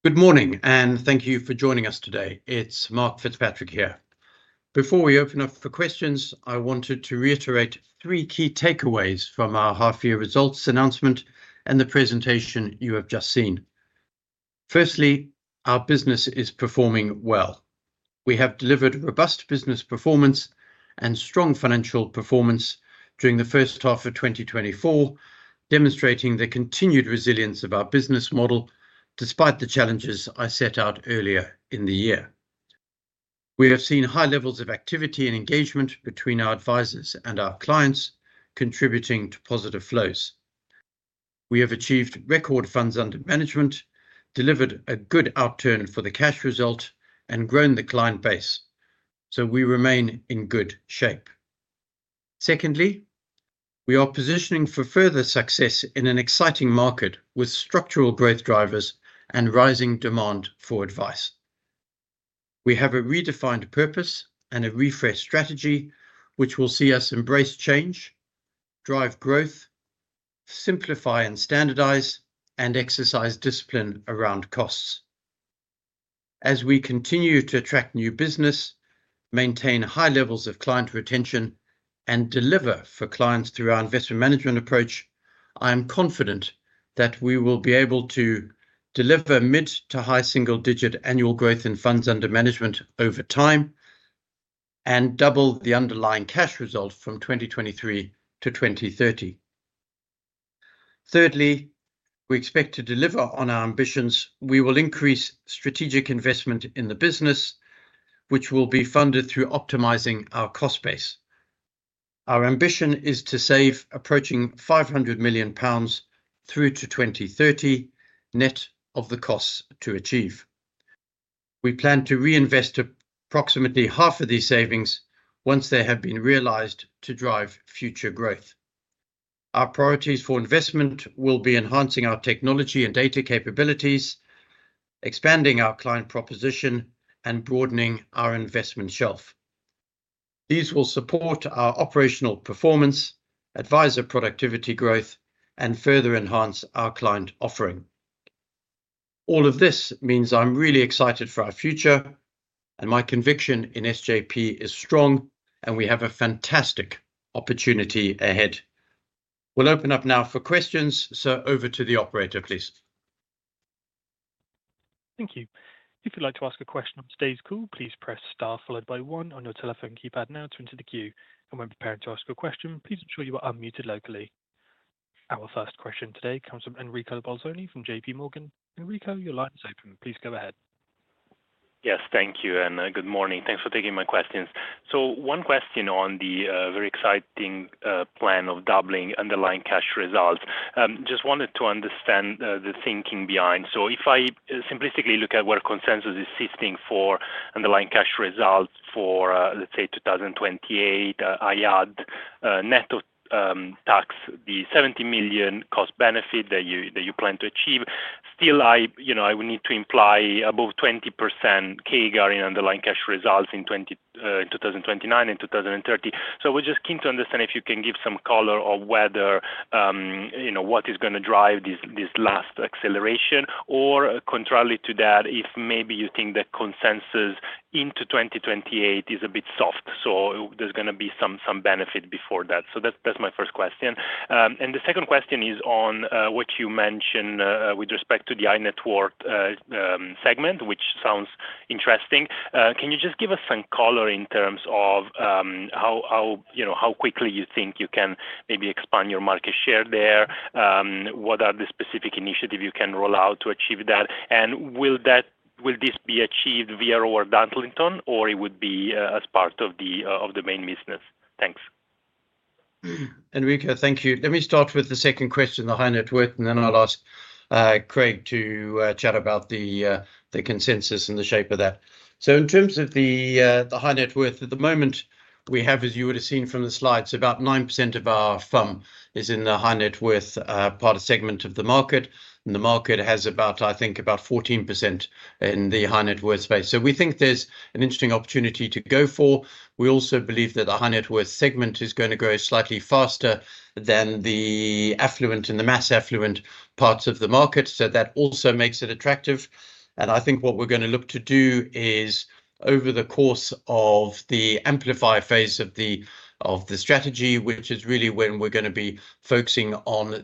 Good morning, and thank you for joining us today. It's Mark Fitzpatrick here. Before we open up for questions, I wanted to reiterate three key takeaways from our half-year results announcement and the presentation you have just seen. Firstly, our business is performing well. We have delivered robust business performance and strong financial performance during the first half of 2024, demonstrating the continued resilience of our business model despite the challenges I set out earlier in the year. We have seen high levels of activity and engagement between our advisors and our clients, contributing to positive flows. We have achieved record funds under management, delivered a good outturn for the cash result, and grown the client base, so we remain in good shape. Secondly, we are positioning for further success in an exciting market with structural growth drivers and rising demand for advice. We have a redefined purpose and a refreshed strategy, which will see us embrace change, drive growth, simplify and standardize, and exercise discipline around costs. As we continue to attract new business, maintain high levels of client retention, and deliver for clients through our investment management approach, I am confident that we will be able to deliver mid to high single-digit annual growth in funds under management over time and double the underlying cash result from 2023 to 2030. Thirdly, we expect to deliver on our ambitions. We will increase strategic investment in the business, which will be funded through optimizing our cost base. Our ambition is to save approaching 500 million pounds through to 2030, net of the costs to achieve. We plan to reinvest approximately half of these savings once they have been realized to drive future growth. Our priorities for investment will be enhancing our technology and data capabilities, expanding our client proposition, and broadening our investment shelf. These will support our operational performance, advisor productivity growth, and further enhance our client offering. All of this means I'm really excited for our future, and my conviction in SJP is strong, and we have a fantastic opportunity ahead. We'll open up now for questions, so over to the operator, please. Thank you. If you'd like to ask a question on today's call, please press Star followed by 1 on your telephone keypad now to enter the queue. When preparing to ask a question, please ensure you are unmuted locally. Our first question today comes from Enrico Bolzoni from J.P. Morgan. Enrico, your line is open. Please go ahead. Yes, thank you, and good morning. Thanks for taking my questions. So one question on the very exciting plan of doubling underlying cash results. Just wanted to understand the thinking behind. So if I simplistically look at where consensus is sitting for underlying cash results for, let's say, 2028, I add, net of tax, the 70 million cost benefit that you, that you plan to achieve. Still, I, you know, I would need to imply above 20% CAGR in underlying cash results in twenty, in 2029 and 2030. So we're just keen to understand if you can give some color on whether, you know, what is gonna drive this, this last acceleration, or contrary to that, if maybe you think that consensus into 2028 is a bit soft, so there's gonna be some, some benefit before that. So that's, that's my first question. And the second question is on what you mentioned with respect to the high net worth segment, which sounds interesting. Can you just give us some color in terms of how you know how quickly you think you can maybe expand your market share there? What are the specific initiative you can roll out to achieve that? And will this be achieved via Rowan Dartington, or it would be as part of the main business? Thanks. Enrico, thank you. Let me start with the second question, the high net worth, and then I'll ask, Craig to, chat about the, the consensus and the shape of that. So in terms of the, the high net worth, at the moment, we have, as you would have seen from the slides, about 9% of our firm is in the high net worth, part of segment of the market. And the market has about, I think, about 14% in the high net worth space. So we think there's an interesting opportunity to go for. We also believe that the high net worth segment is gonna grow slightly faster than the affluent and the mass affluent parts of the market, so that also makes it attractive. I think what we're gonna look to do is, over the course of the Amplify phase of the strategy, which is really when we're gonna be focusing on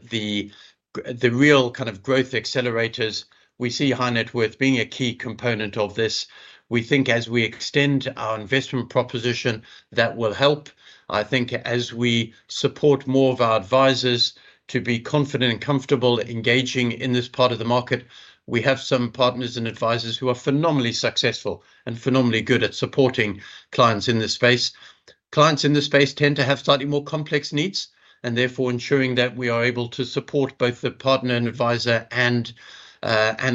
the real kind of growth accelerators, we see high net worth being a key component of this. We think as we extend our investment proposition, that will help. I think as we support more of our advisors to be confident and comfortable engaging in this part of the market, we have some partners and advisors who are phenomenally successful and phenomenally good at supporting clients in this space. Clients in this space tend to have slightly more complex needs, and therefore ensuring that we are able to support both the partner and advisor and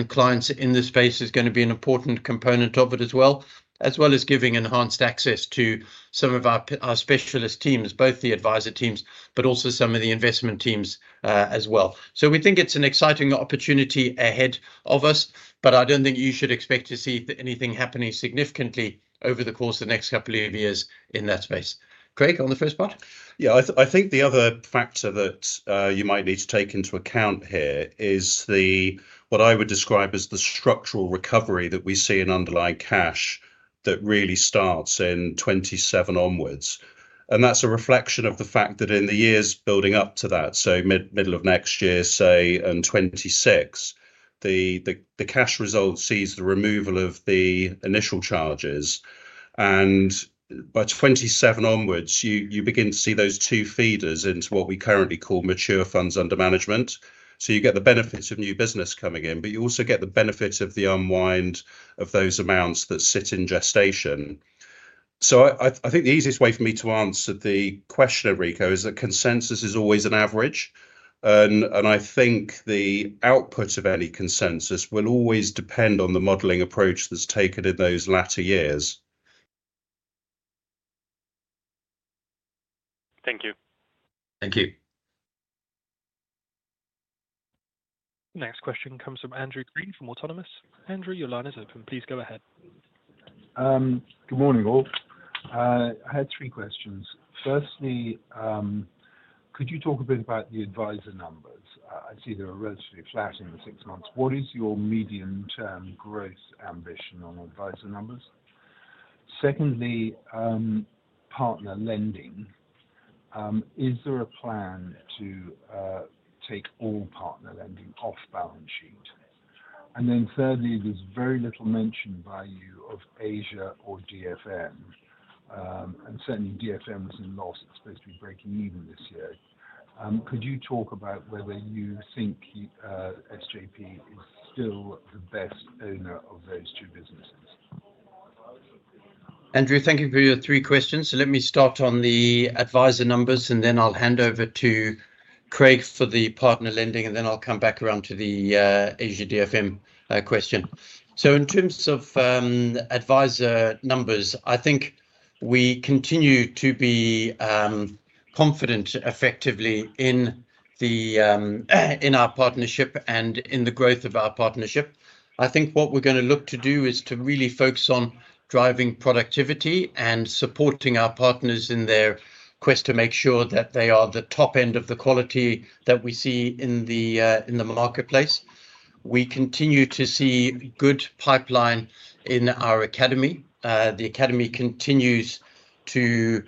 clients in this space is gonna be an important component of it as well. As well as giving enhanced access to some of our specialist teams, both the advisor teams, but also some of the investment teams, as well. So we think it's an exciting opportunity ahead of us, but I don't think you should expect to see anything happening significantly over the course of the next couple of years in that space. Craig, on the first part? Yeah, I think the other factor that you might need to take into account here is the what I would describe as the structural recovery that we see in underlying cash that really starts in 2027 onwards. And that's a reflection of the fact that in the years building up to that, so mid-middle of next year, say, in 2026, the cash result sees the removal of the initial charges, and by 2027 onwards, you begin to see those two feeders into what we currently call mature funds under management. So you get the benefits of new business coming in, but you also get the benefit of the unwind of those amounts that sit in gestation. So I think the easiest way for me to answer the question, Enrico, is that consensus is always an average, and I think the output of any consensus will always depend on the modeling approach that's taken in those latter years. Thank you. Thank you. Next question comes from Andrew Crean, from Autonomous. Andrew, your line is open. Please go ahead. Good morning, all. I had three questions. Firstly, could you talk a bit about the advisor numbers? I see they were relatively flat in the six months. What is your medium-term growth ambition on advisor numbers? Secondly, partner lending. Is there a plan to take all partner lending off balance sheet? And then thirdly, there's very little mention by you of Asia or DFM. And certainly DFM is in loss, it's supposed to be breaking even this year. Could you talk about whether you think SJP is still the best owner of those two businesses? Andrew, thank you for your three questions. So let me start on the advisor numbers, and then I'll hand over to Craig for the partner lending, and then I'll come back around to the Asia DFM question. So in terms of advisor numbers, I think we continue to be confident effectively in our Partnership and in the growth of our Partnership. I think what we're gonna look to do is to really focus on driving productivity and supporting our partners in their quest to make sure that they are the top end of the quality that we see in the marketplace. We continue to see good pipeline in our Academy. The Academy continues to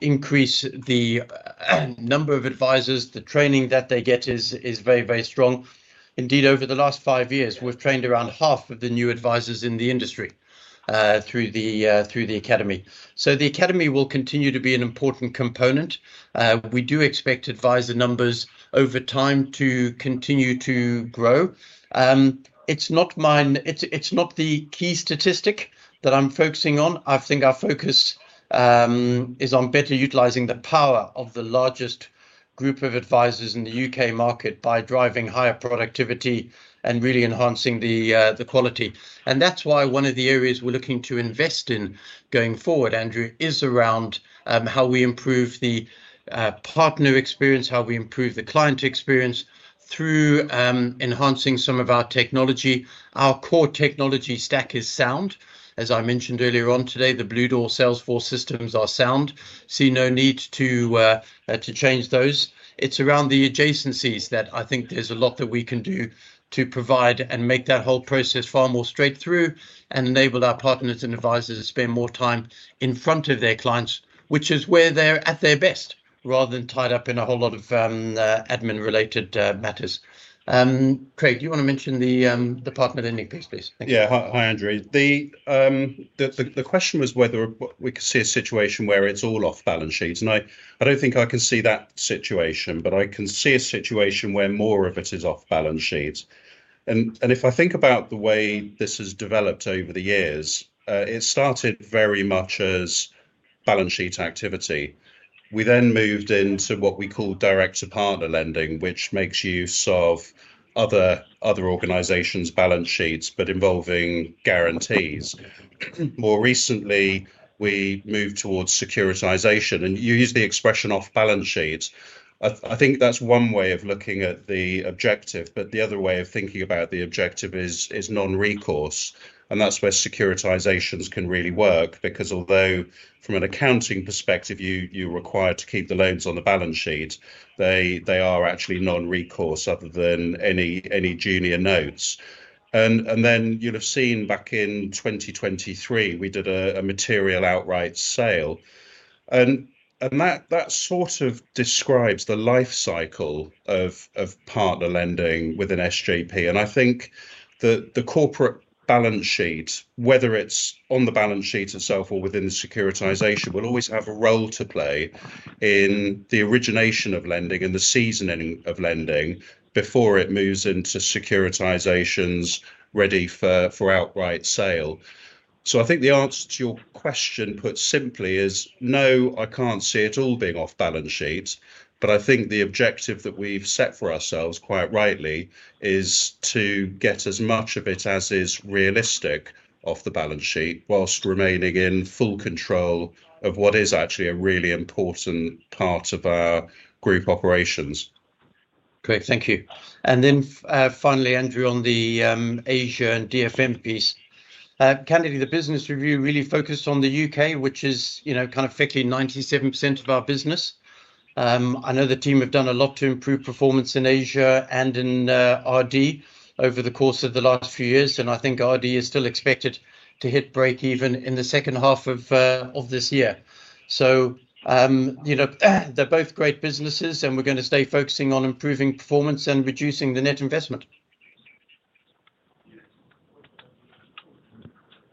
increase the number of advisors. The training that they get is very, very strong. Indeed, over the last five years, we've trained around half of the new advisors in the industry through the Academy. So the Academy will continue to be an important component. We do expect advisor numbers over time to continue to grow. It's not the key statistic that I'm focusing on. I think our focus is on better utilizing the power of the largest group of advisors in the UK market by driving higher productivity and really enhancing the quality. And that's why one of the areas we're looking to invest in going forward, Andrew, is around how we improve the partner experience, how we improve the client experience through enhancing some of our technology. Our core technology stack is sound. As I mentioned earlier on today, the Bluedoor, Salesforce systems are sound. See no need to change those. It's around the adjacencies that I think there's a lot that we can do to provide and make that whole process far more straight through, and enable our partners and advisors to spend more time in front of their clients, which is where they're at their best, rather than tied up in a whole lot of admin-related matters. Craig, do you wanna mention the Partner lending piece, please? Thank you. Yeah. Hi, Andrew. The question was whether we could see a situation where it's all off balance sheets, and I don't think I can see that situation, but I can see a situation where more of it is off balance sheets. And if I think about the way this has developed over the years, it started very much as balance sheet activity. We then moved into what we call direct to partner lending, which makes use of other organizations' balance sheets, but involving guarantees. More recently, we moved towards securitization, and you use the expression off balance sheet. I think that's one way of looking at the objective, but the other way of thinking about the objective is non-recourse, and that's where securitizations can really work. Because although from an accounting perspective, you're required to keep the loans on the balance sheet, they are actually non-recourse other than any junior notes. And then you'll have seen back in 2023, we did a material outright sale. And that sort of describes the life cycle of partner lending within SJP. And I think the corporate balance sheet, whether it's on the balance sheet itself or within the securitization, will always have a role to play in the origination of lending and the seasoning of lending before it moves into securitizations ready for outright sale. So I think the answer to your question, put simply, is, no, I can't see it all being off balance sheet, but I think the objective that we've set for ourselves, quite rightly, is to get as much of it as is realistic off the balance sheet, whilst remaining in full control of what is actually a really important part of our group operations. Great, thank you. And then, finally, Andrew, on the, Asia and DFM piece. Candidly, the business review really focused on the UK, which is, you know, kind of technically 97% of our business. I know the team have done a lot to improve performance in Asia and in, RD over the course of the last few years, and I think RD is still expected to hit breakeven in the second half of, of this year. So, you know, they're both great businesses, and we're gonna stay focusing on improving performance and reducing the net investment.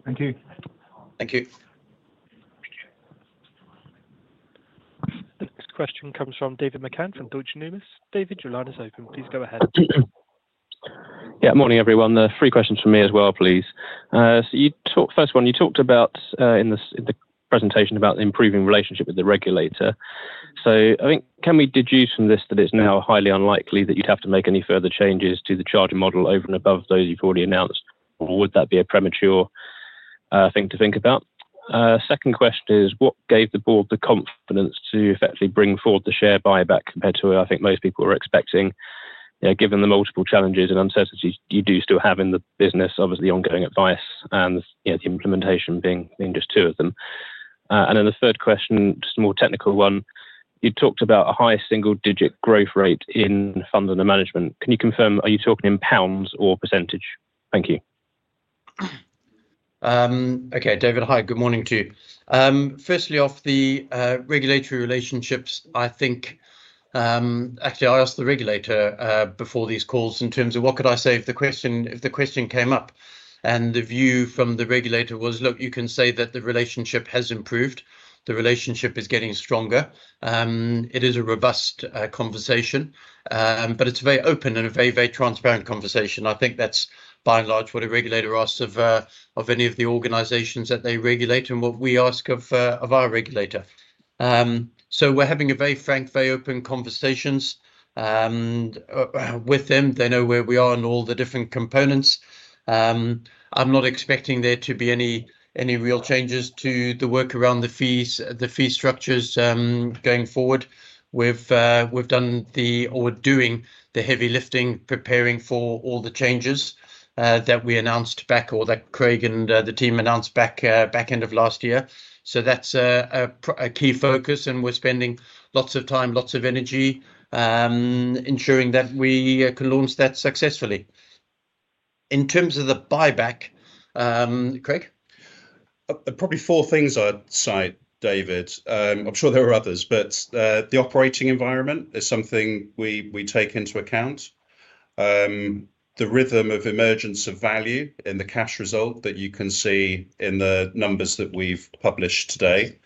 Thank you. Thank you. The next question comes from David McCann from Deutsche Bank. David, your line is open. Please go ahead. Yeah, morning, everyone. There are three questions from me as well, please. So you talked... First of all, you talked about, in the presentation about the improving relationship with the regulator. So I think, can we deduce from this that it's now highly unlikely that you'd have to make any further changes to the charging model over and above those you've already announced, or would that be a premature thing to think about? Second question is, what gave the Board the confidence to effectively bring forward the share buyback compared to what I think most people were expecting, given the multiple challenges and uncertainties you do still have in the business, obviously, ongoing advice and, you know, the implementation being just two of them. And then the third question, just a more technical one: You talked about a high single-digit growth rate in funds under management. Can you confirm, are you talking in pounds or percentage? Thank you. ... Okay, David. Hi, good morning to you. Firstly, off the regulatory relationships, I think actually I asked the regulator before these calls in terms of what could I say if the question came up, and the view from the regulator was: Look, you can say that the relationship has improved. The relationship is getting stronger. It is a robust conversation, but it's a very open and a very, very transparent conversation. I think that's by and large what a regulator asks of any of the organizations that they regulate and what we ask of our regulator. So we're having a very frank, very open conversations with them. They know where we are in all the different components. I'm not expecting there to be any, any real changes to the work around the fees, the fee structures, going forward. We're doing the heavy lifting, preparing for all the changes that we announced back or that Craig and the team announced back, back end of last year. So that's a key focus, and we're spending lots of time, lots of energy, ensuring that we can launch that successfully. In terms of the buyback, Craig? Probably four things I'd cite, David. I'm sure there are others, but, the operating environment is something we, we take into account. The rhythm of emergence of value in the cash result that you can see in the numbers that we've published today.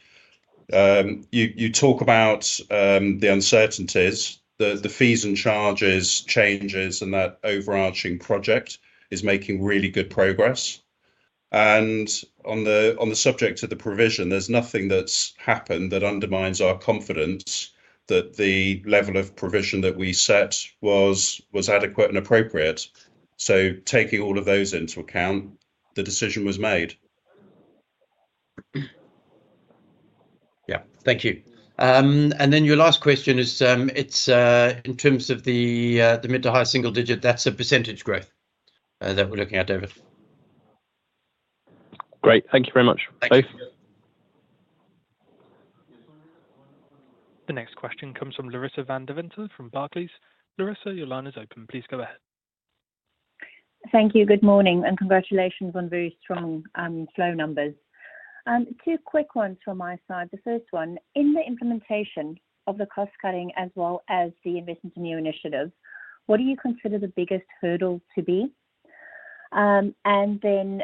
You, you talk about, the uncertainties, the, the fees and charges, changes, and that overarching project is making really good progress. And on the, on the subject of the provision, there's nothing that's happened that undermines our confidence that the level of provision that we set was, was adequate and appropriate. So taking all of those into account, the decision was made. Yeah, thank you. Then your last question is, it's in terms of the mid- to high-single-digit, that's % growth that we're looking at, David. Great. Thank you very much. Thank you. Bye. The next question comes from Larissa van Deventer from Barclays. Larissa, your line is open. Please go ahead. Thank you. Good morning, and congratulations on very strong, flow numbers. Two quick ones from my side. The first one, in the implementation of the cost cutting as well as the investment in new initiatives, what do you consider the biggest hurdle to be? And then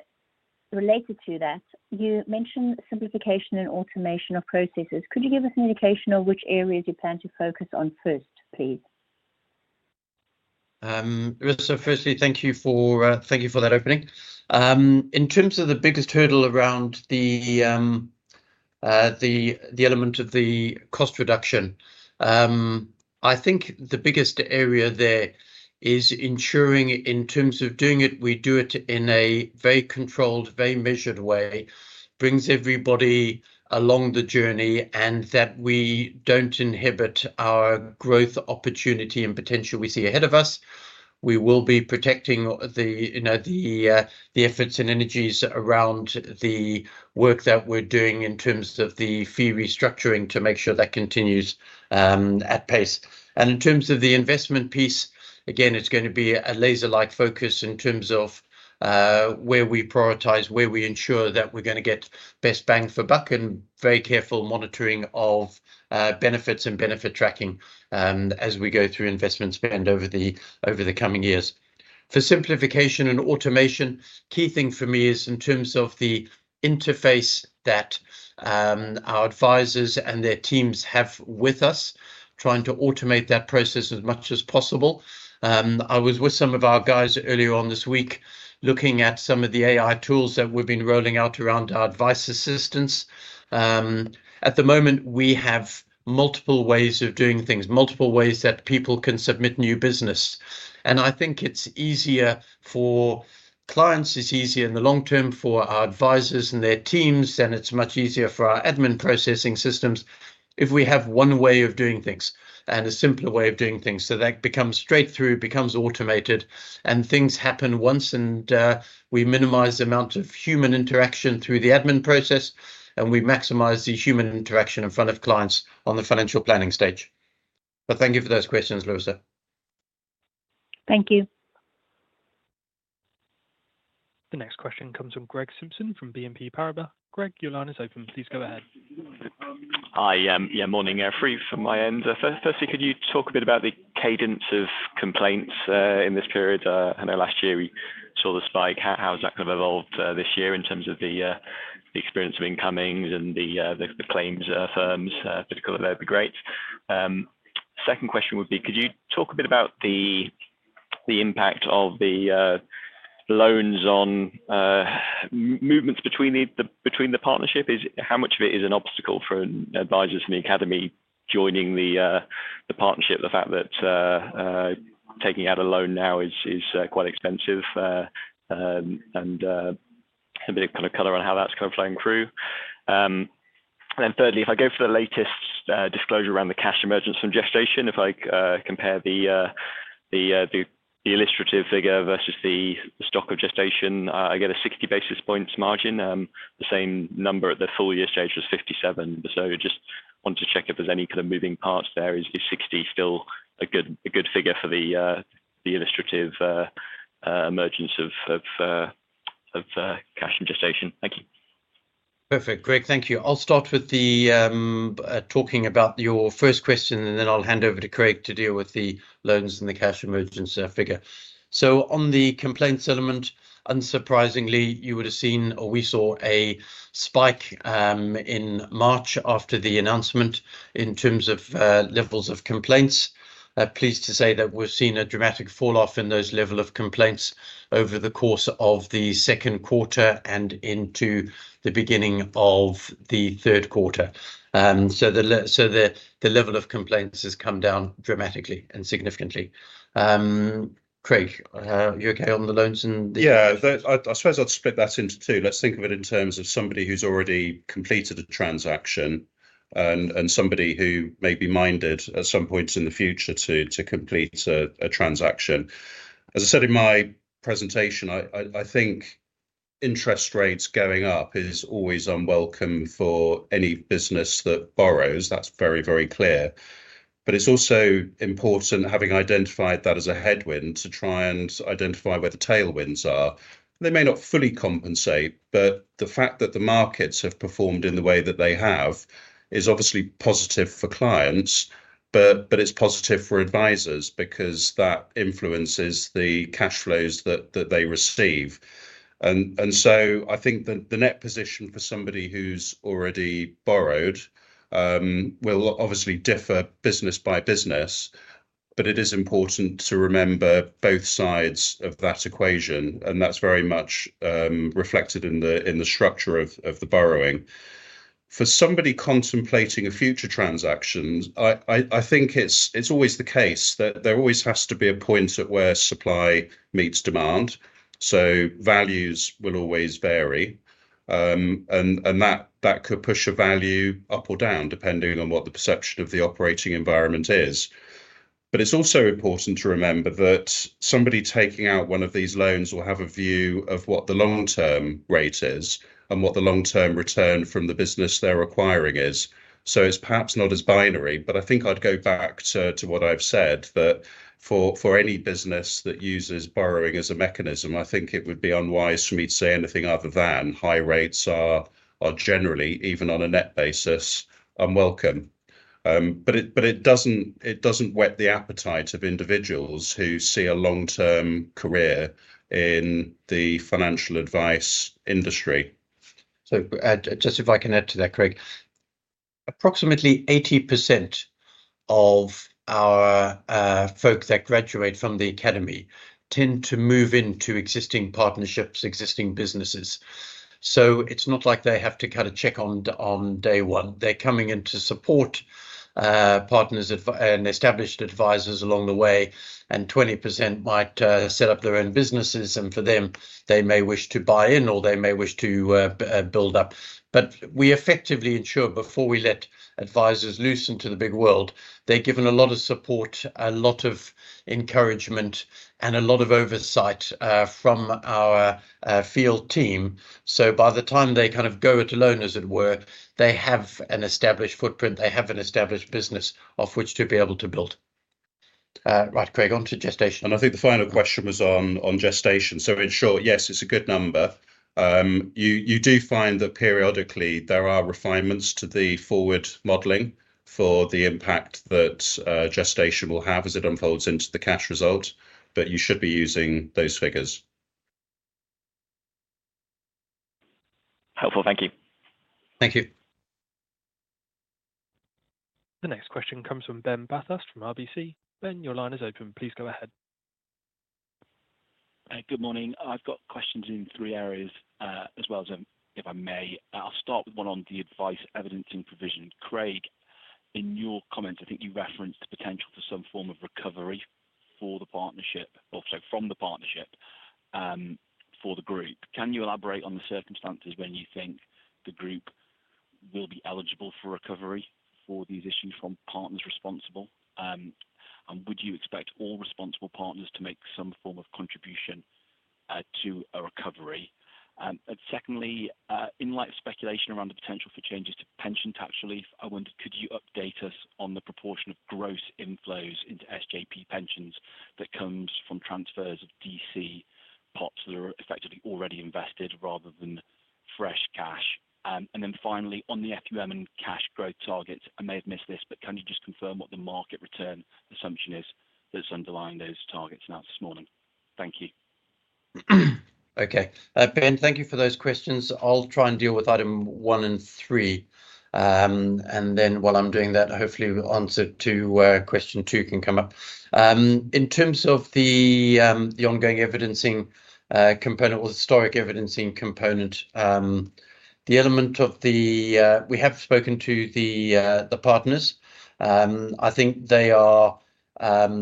related to that, you mentioned simplification and automation of processes. Could you give us an indication of which areas you plan to focus on first, please? Larissa, firstly, thank you for, thank you for that opening. In terms of the biggest hurdle around the element of the cost reduction, I think the biggest area there is ensuring in terms of doing it, we do it in a very controlled, very measured way, brings everybody along the journey, and that we don't inhibit our growth, opportunity, and potential we see ahead of us. We will be protecting the, you know, the efforts and energies around the work that we're doing in terms of the fee restructuring to make sure that continues, at pace. In terms of the investment piece, again, it's gonna be a laser-like focus in terms of where we prioritize, where we ensure that we're gonna get best bang for buck, and very careful monitoring of benefits and benefit tracking, as we go through investment spend over the coming years. For simplification and automation, key thing for me is in terms of the interface that our advisors and their teams have with us, trying to automate that process as much as possible. I was with some of our guys earlier on this week, looking at some of the AI tools that we've been rolling out around our advice assistants. At the moment, we have multiple ways of doing things, multiple ways that people can submit new business. And I think it's easier for clients, it's easier in the long term for our advisors and their teams, and it's much easier for our admin processing systems if we have one way of doing things and a simpler way of doing things. So that becomes straight through, becomes automated, and things happen once, and we minimize the amount of human interaction through the admin process, and we maximize the human interaction in front of clients on the financial planning stage. But thank you for those questions, Larissa. Thank you. The next question comes from Greg Simpson from BNP Paribas. Greg, your line is open. Please go ahead. Hi, yeah, morning, free from my end. First, firstly, could you talk a bit about the cadence of complaints in this period? I know last year we saw the spike. How has that kind of evolved this year in terms of the experience of incomings and the claims firms particular would be great. Second question would be, could you talk a bit about the impact of the loans on movements between the Partnership? How much of it is an obstacle for advisors from the Academy joining the Partnership, the fact that taking out a loan now is quite expensive, and a bit of kind of color on how that's kind of playing through. And then thirdly, if I go for the latest disclosure around the cash emergence from gestation, if I compare the illustrative figure versus the stock of gestation, I get a 60 basis points margin. The same number at the full year stage was 57. So just wanted to check if there's any kind of moving parts there. Is 60 still a good figure for the illustrative emergence of cash and gestation? Thank you. Perfect, Greg. Thank you. I'll start with talking about your first question, and then I'll hand over to Craig to deal with the loans and the cash emergence figure. So on the complaints element, unsurprisingly, you would have seen or we saw a spike in March after the announcement in terms of levels of complaints. Pleased to say that we've seen a dramatic falloff in those level of complaints over the course of the second quarter and into the beginning of the third quarter. So the level of complaints has come down dramatically and significantly. Craig, you okay on the loans and the- Yeah. I suppose I'd split that into two. Let's think of it in terms of somebody who's already completed a transaction and somebody who may be minded at some point in the future to complete a transaction. As I said in my presentation, I think interest rates going up is always unwelcome for any business that borrows. That's very, very clear. But it's also important, having identified that as a headwind, to try and identify where the tailwinds are. They may not fully compensate, but the fact that the markets have performed in the way that they have is obviously positive for clients. But it's positive for advisors because that influences the cash flows that they receive. And so I think the net position for somebody who's already borrowed will obviously differ business by business, but it is important to remember both sides of that equation, and that's very much reflected in the structure of the borrowing. For somebody contemplating a future transaction, I think it's always the case that there always has to be a point at where supply meets demand, so values will always vary. And that could push a value up or down, depending on what the perception of the operating environment is. But it's also important to remember that somebody taking out one of these loans will have a view of what the long-term rate is and what the long-term return from the business they're acquiring is. So it's perhaps not as binary, but I think I'd go back to what I've said, that for any business that uses borrowing as a mechanism, I think it would be unwise for me to say anything other than high rates are generally, even on a net basis, unwelcome. But it doesn't whet the appetite of individuals who see a long-term career in the financial advice industry. So, just if I can add to that, Craig. Approximately 80% of our folk that graduate from the Academy tend to move into existing Partnerships, existing businesses. So it's not like they have to kind of check on day one. They're coming in to support partners and established advisors along the way, and 20% might set up their own businesses, and for them, they may wish to buy in or they may wish to build up. But we effectively ensure before we let advisors loose in the big world, they're given a lot of support, a lot of encouragement, and a lot of oversight from our field team. So by the time they kind of go it alone, as it were, they have an established footprint, they have an established business off which to be able to build. Right, Craig, on to gestation. I think the final question was on gestation. So in short, yes, it's a good number. You do find that periodically there are refinements to the forward modeling for the impact that gestation will have as it unfolds into the cash result, but you should be using those figures. Helpful. Thank you. Thank you. The next question comes from Ben Bathurst from RBC. Ben, your line is open. Please go ahead. Good morning. I've got questions in three areas, as well as, if I may. I'll start with one on the advice evidencing provision. Craig, in your comments, I think you referenced the potential for some form of recovery for the Partnership or so from the Partnership, for the group. Can you elaborate on the circumstances when you think the group will be eligible for recovery for these issues from partners responsible? And would you expect all responsible partners to make some form of contribution, to a recovery? And secondly, in light of speculation around the potential for changes to pension tax relief, I wonder, could you update us on the proportion of gross inflows into SJP pensions that comes from transfers of DC pots that are effectively already invested rather than fresh cash? And then finally, on the FUM and cash growth targets, I may have missed this, but can you just confirm what the market return assumption is that's underlying those targets now this morning? Thank you. Okay. Ben, thank you for those questions. I'll try and deal with item one and three. And then while I'm doing that, hopefully, answer to question two can come up. In terms of the ongoing evidencing component or the historic evidencing component, the element of the. We have spoken to the partners. I think they are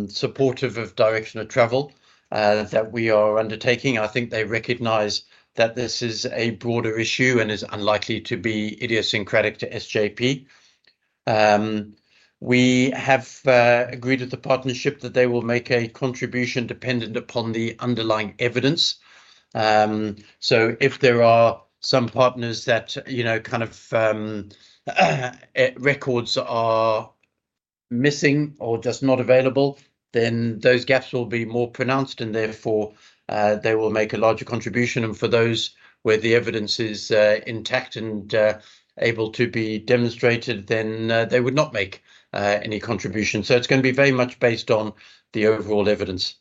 supportive of direction of travel that we are undertaking. I think they recognize that this is a broader issue and is unlikely to be idiosyncratic to SJP. We have agreed with the Partnership that they will make a contribution dependent upon the underlying evidence. If there are some partners that, you know, kind of, records are missing or just not available, then those gaps will be more pronounced and therefore, they will make a larger contribution. For those where the evidence is intact and able to be demonstrated, then they would not make any contribution. So it's gonna be very much based on the overall evidence.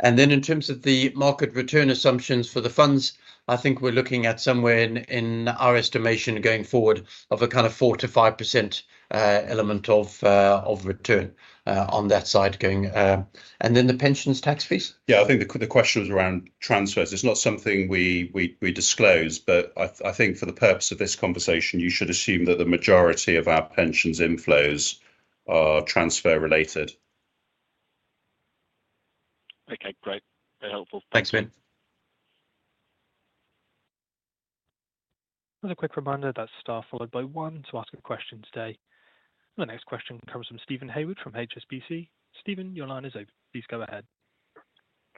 And then in terms of the market return assumptions for the funds, I think we're looking at somewhere in our estimation going forward of a kind of 4%-5% element of return on that side going... And then the pensions tax fees? Yeah, I think the question was around transfers. It's not something we disclose, but I think for the purpose of this conversation, you should assume that the majority of our pensions inflows are transfer related. Okay, great. Very helpful. Thanks, Vin. Another quick reminder, that's star followed by one to ask a question today. The next question comes from Steven Haywood, from HSBC. Steven, your line is open. Please go ahead.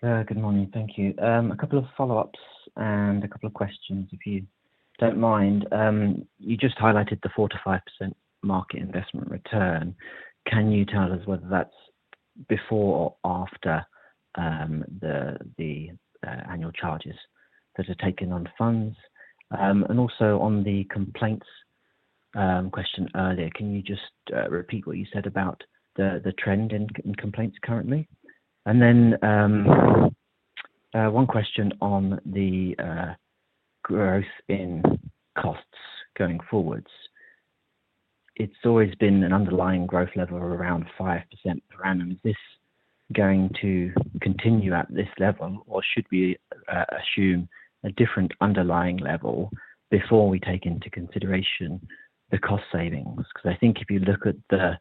Good morning. Thank you. A couple of follow-ups and a couple of questions, if you don't mind. You just highlighted the 4%-5% market investment return. Can you tell us whether that's before or after the annual charges that are taken on funds? And also on the complaints question earlier, can you just repeat what you said about the trend in complaints currently? And then one question on the growth in costs going forwards. It's always been an underlying growth level of around 5% per annum. Is this going to continue at this level, or should we assume a different underlying level before we take into consideration the cost savings? 'Cause I think if you look at the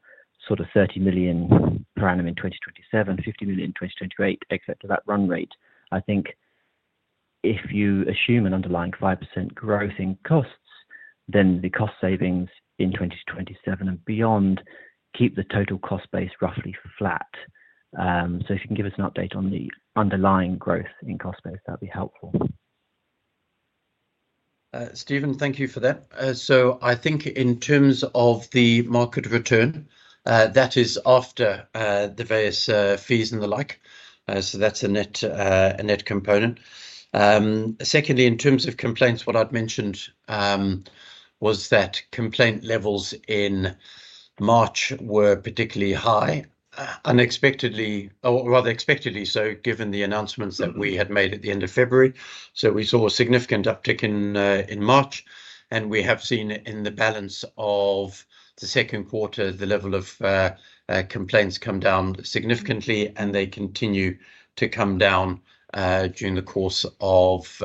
sort of 30 million per annum in 2027, 50 million in 2028, et cetera, that run rate, I think if you assume an underlying 5% growth in costs, then the cost savings in 2027 and beyond keep the total cost base roughly flat. So if you can give us an update on the underlying growth in cost base, that'd be helpful. Steven, thank you for that. So I think in terms of the market return, that is after the various fees and the like. So that's a net, a net component. Secondly, in terms of complaints, what I'd mentioned was that complaint levels in March were particularly high, unexpectedly, or rather expectedly so, given the announcements- Mm-hmm... that we had made at the end of February. So we saw a significant uptick in March, and we have seen in the balance of the second quarter, the level of complaints come down significantly, and they continue to come down during the course of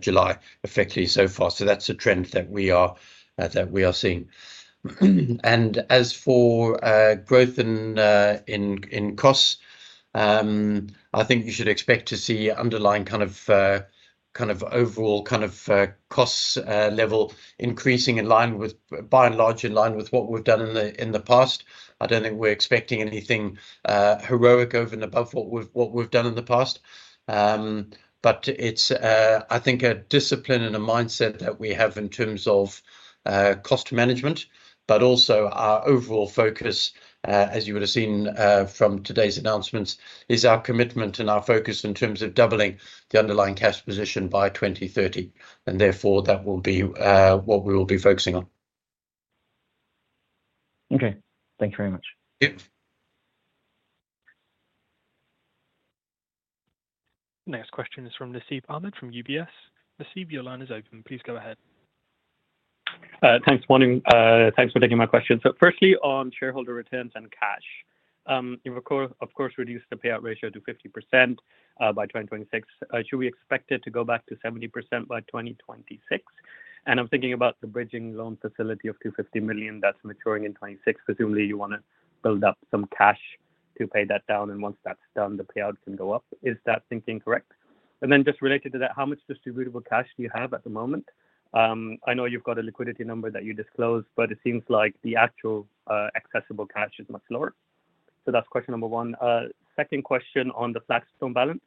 July, effectively so far. So that's a trend that we are seeing. And as for growth in costs, I think you should expect to see underlying kind of overall costs level increasing in line with, by and large, in line with what we've done in the past. I don't think we're expecting anything heroic over and above what we've done in the past. But it's, I think a discipline and a mindset that we have in terms of cost management, but also our overall focus, as you would have seen, from today's announcements, is our commitment and our focus in terms of doubling the underlying cash position by 2030, and therefore, that will be what we will be focusing on. Okay. Thank you very much. Yep. Next question is from Nasib Ahmed from UBS. Nasib, your line is open. Please go ahead. Thanks, morning. Thanks for taking my question. So firstly, on shareholder returns and cash. You of course, of course, reduced the payout ratio to 50% by 2026. Should we expect it to go back to 70% by 2026? And I'm thinking about the bridging loan facility of 250 million that's maturing in 2026. Presumably, you wanna build up some cash to pay that down, and once that's done, the payout can go up. Is that thinking correct? And then just related to that, how much distributable cash do you have at the moment? I know you've got a liquidity number that you disclosed, but it seems like the actual accessible cash is much lower. So that's question number one. Second question on the Flagstone balance.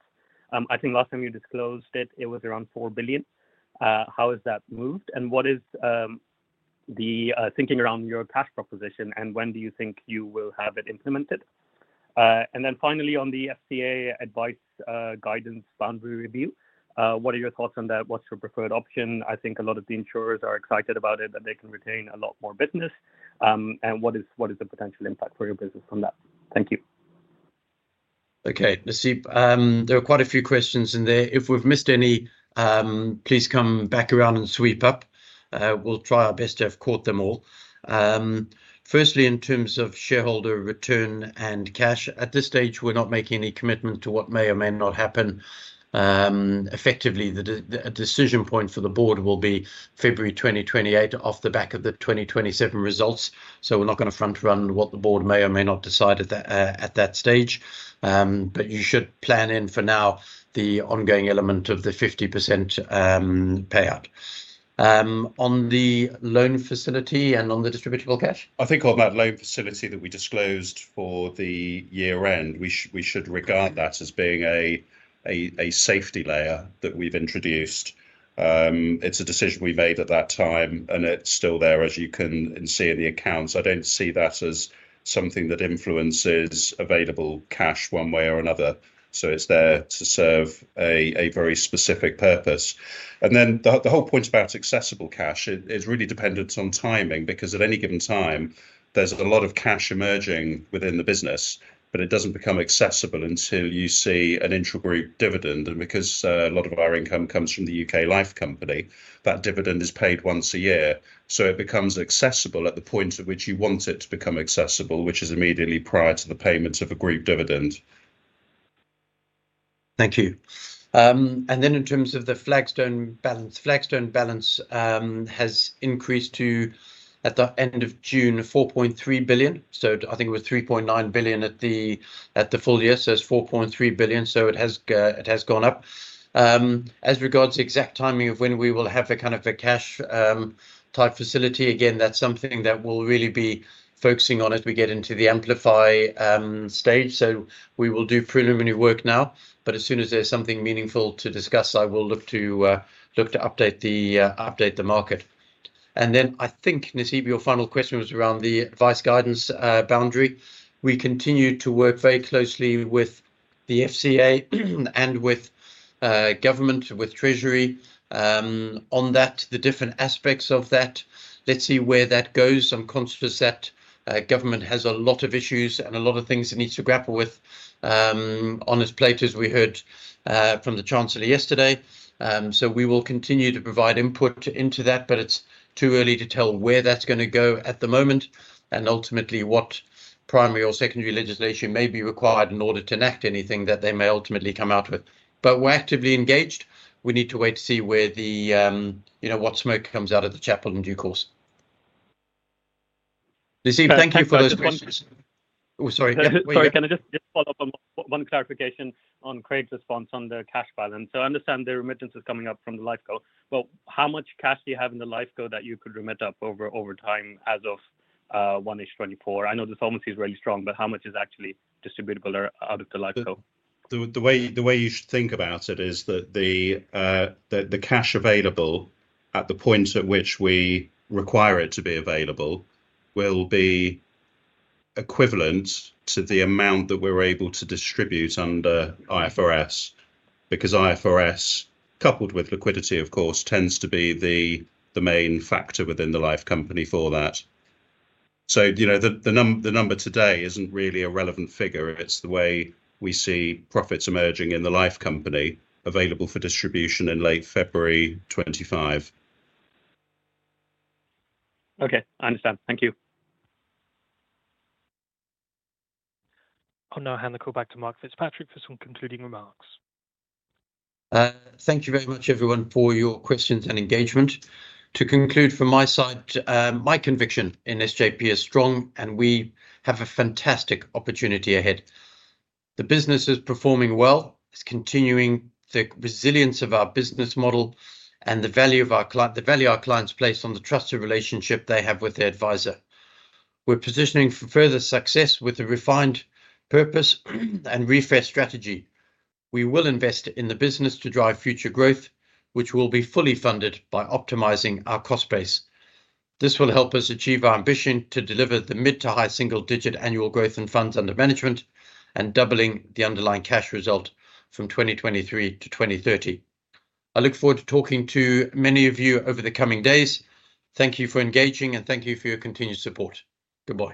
I think last time you disclosed it, it was around 4 billion. How has that moved, and what is the thinking around your cash proposition, and when do you think you will have it implemented? And then finally, on the FCA Advice Guidance Boundary Review, what are your thoughts on that? What's your preferred option? I think a lot of the insurers are excited about it, that they can retain a lot more business. And what is the potential impact for your business from that? Thank you. Okay, Nasib, there are quite a few questions in there. If we've missed any, please come back around and sweep up. We'll try our best to have caught them all. Firstly, in terms of shareholder return and cash, at this stage, we're not making any commitment to what may or may not happen. Effectively, the decision point for the Board will be February 2028, off the back of the 2027 results. So we're not gonna front run what the Board may or may not decide at that stage. But you should plan in for now the ongoing element of the 50% payout. On the loan facility and on the distributable cash? I think on that loan facility that we disclosed for the year end, we should regard that as being a safety layer that we've introduced. It's a decision we made at that time, and it's still there, as you can see in the accounts. I don't see that as something that influences available cash one way or another, so it's there to serve a very specific purpose. And then the whole point about accessible cash is really dependent on timing, because at any given time, there's a lot of cash emerging within the business, but it doesn't become accessible until you see an intragroup dividend. And because a lot of our income comes from the U.K. Life company, that dividend is paid once a year. It becomes accessible at the point at which you want it to become accessible, which is immediately prior to the payments of a group dividend. Thank you. And then in terms of the Flagstone balance, Flagstone balance, has increased to, at the end of June, 4.3 billion. So I think it was 3.9 billion at the full year, so it's 4.3 billion, so it has, it has gone up. As regards to exact timing of when we will have a kind of a cash, type facility, again, that's something that we'll really be focusing on as we get into the Amplify, stage. So we will do preliminary work now, but as soon as there's something meaningful to discuss, I will look to, look to update the, update the market. And then I think, Nasib, your final question was around the advice guidance, boundary. We continue to work very closely with the FCA and with government, with treasury, on that, the different aspects of that. Let's see where that goes. I'm conscious that government has a lot of issues and a lot of things it needs to grapple with, on its plate, as we heard from the Chancellor yesterday. So we will continue to provide input into that, but it's too early to tell where that's gonna go at the moment, and ultimately, what primary or secondary legislation may be required in order to enact anything that they may ultimately come out with. But we're actively engaged. We need to wait to see where the... You know, what smoke comes out of the chapel in due course. Nasib, thank you for those questions. Thanks. Oh, sorry. Sorry, can I just follow up on one clarification on Craig's response on the cash balance? So I understand the remittance is coming up from the LifeCo, but how much cash do you have in the LifeCo that you could remit up over time as of 1Q 2024? I know the solvency is very strong, but how much is actually distributable out of the LifeCo? The way you should think about it is that the cash available at the point at which we require it to be available will be equivalent to the amount that we're able to distribute under IFRS, because IFRS, coupled with liquidity, of course, tends to be the main factor within the life company for that. So, you know, the number today isn't really a relevant figure. It's the way we see profits emerging in the life company available for distribution in late February 2025. Okay, I understand. Thank you. I'll now hand the call back to Mark Fitzpatrick for some concluding remarks. Thank you very much, everyone, for your questions and engagement. To conclude from my side, my conviction in SJP is strong, and we have a fantastic opportunity ahead. The business is performing well. It's continuing the resilience of our business model and the value our clients place on the trusted relationship they have with their advisor. We're positioning for further success with a refined purpose and refreshed strategy. We will invest in the business to drive future growth, which will be fully funded by optimizing our cost base. This will help us achieve our ambition to deliver mid- to high single-digit annual growth in funds under management, and doubling the underlying cash result from 2023 to 2030. I look forward to talking to many of you over the coming days. Thank you for engaging, and thank you for your continued support. Goodbye.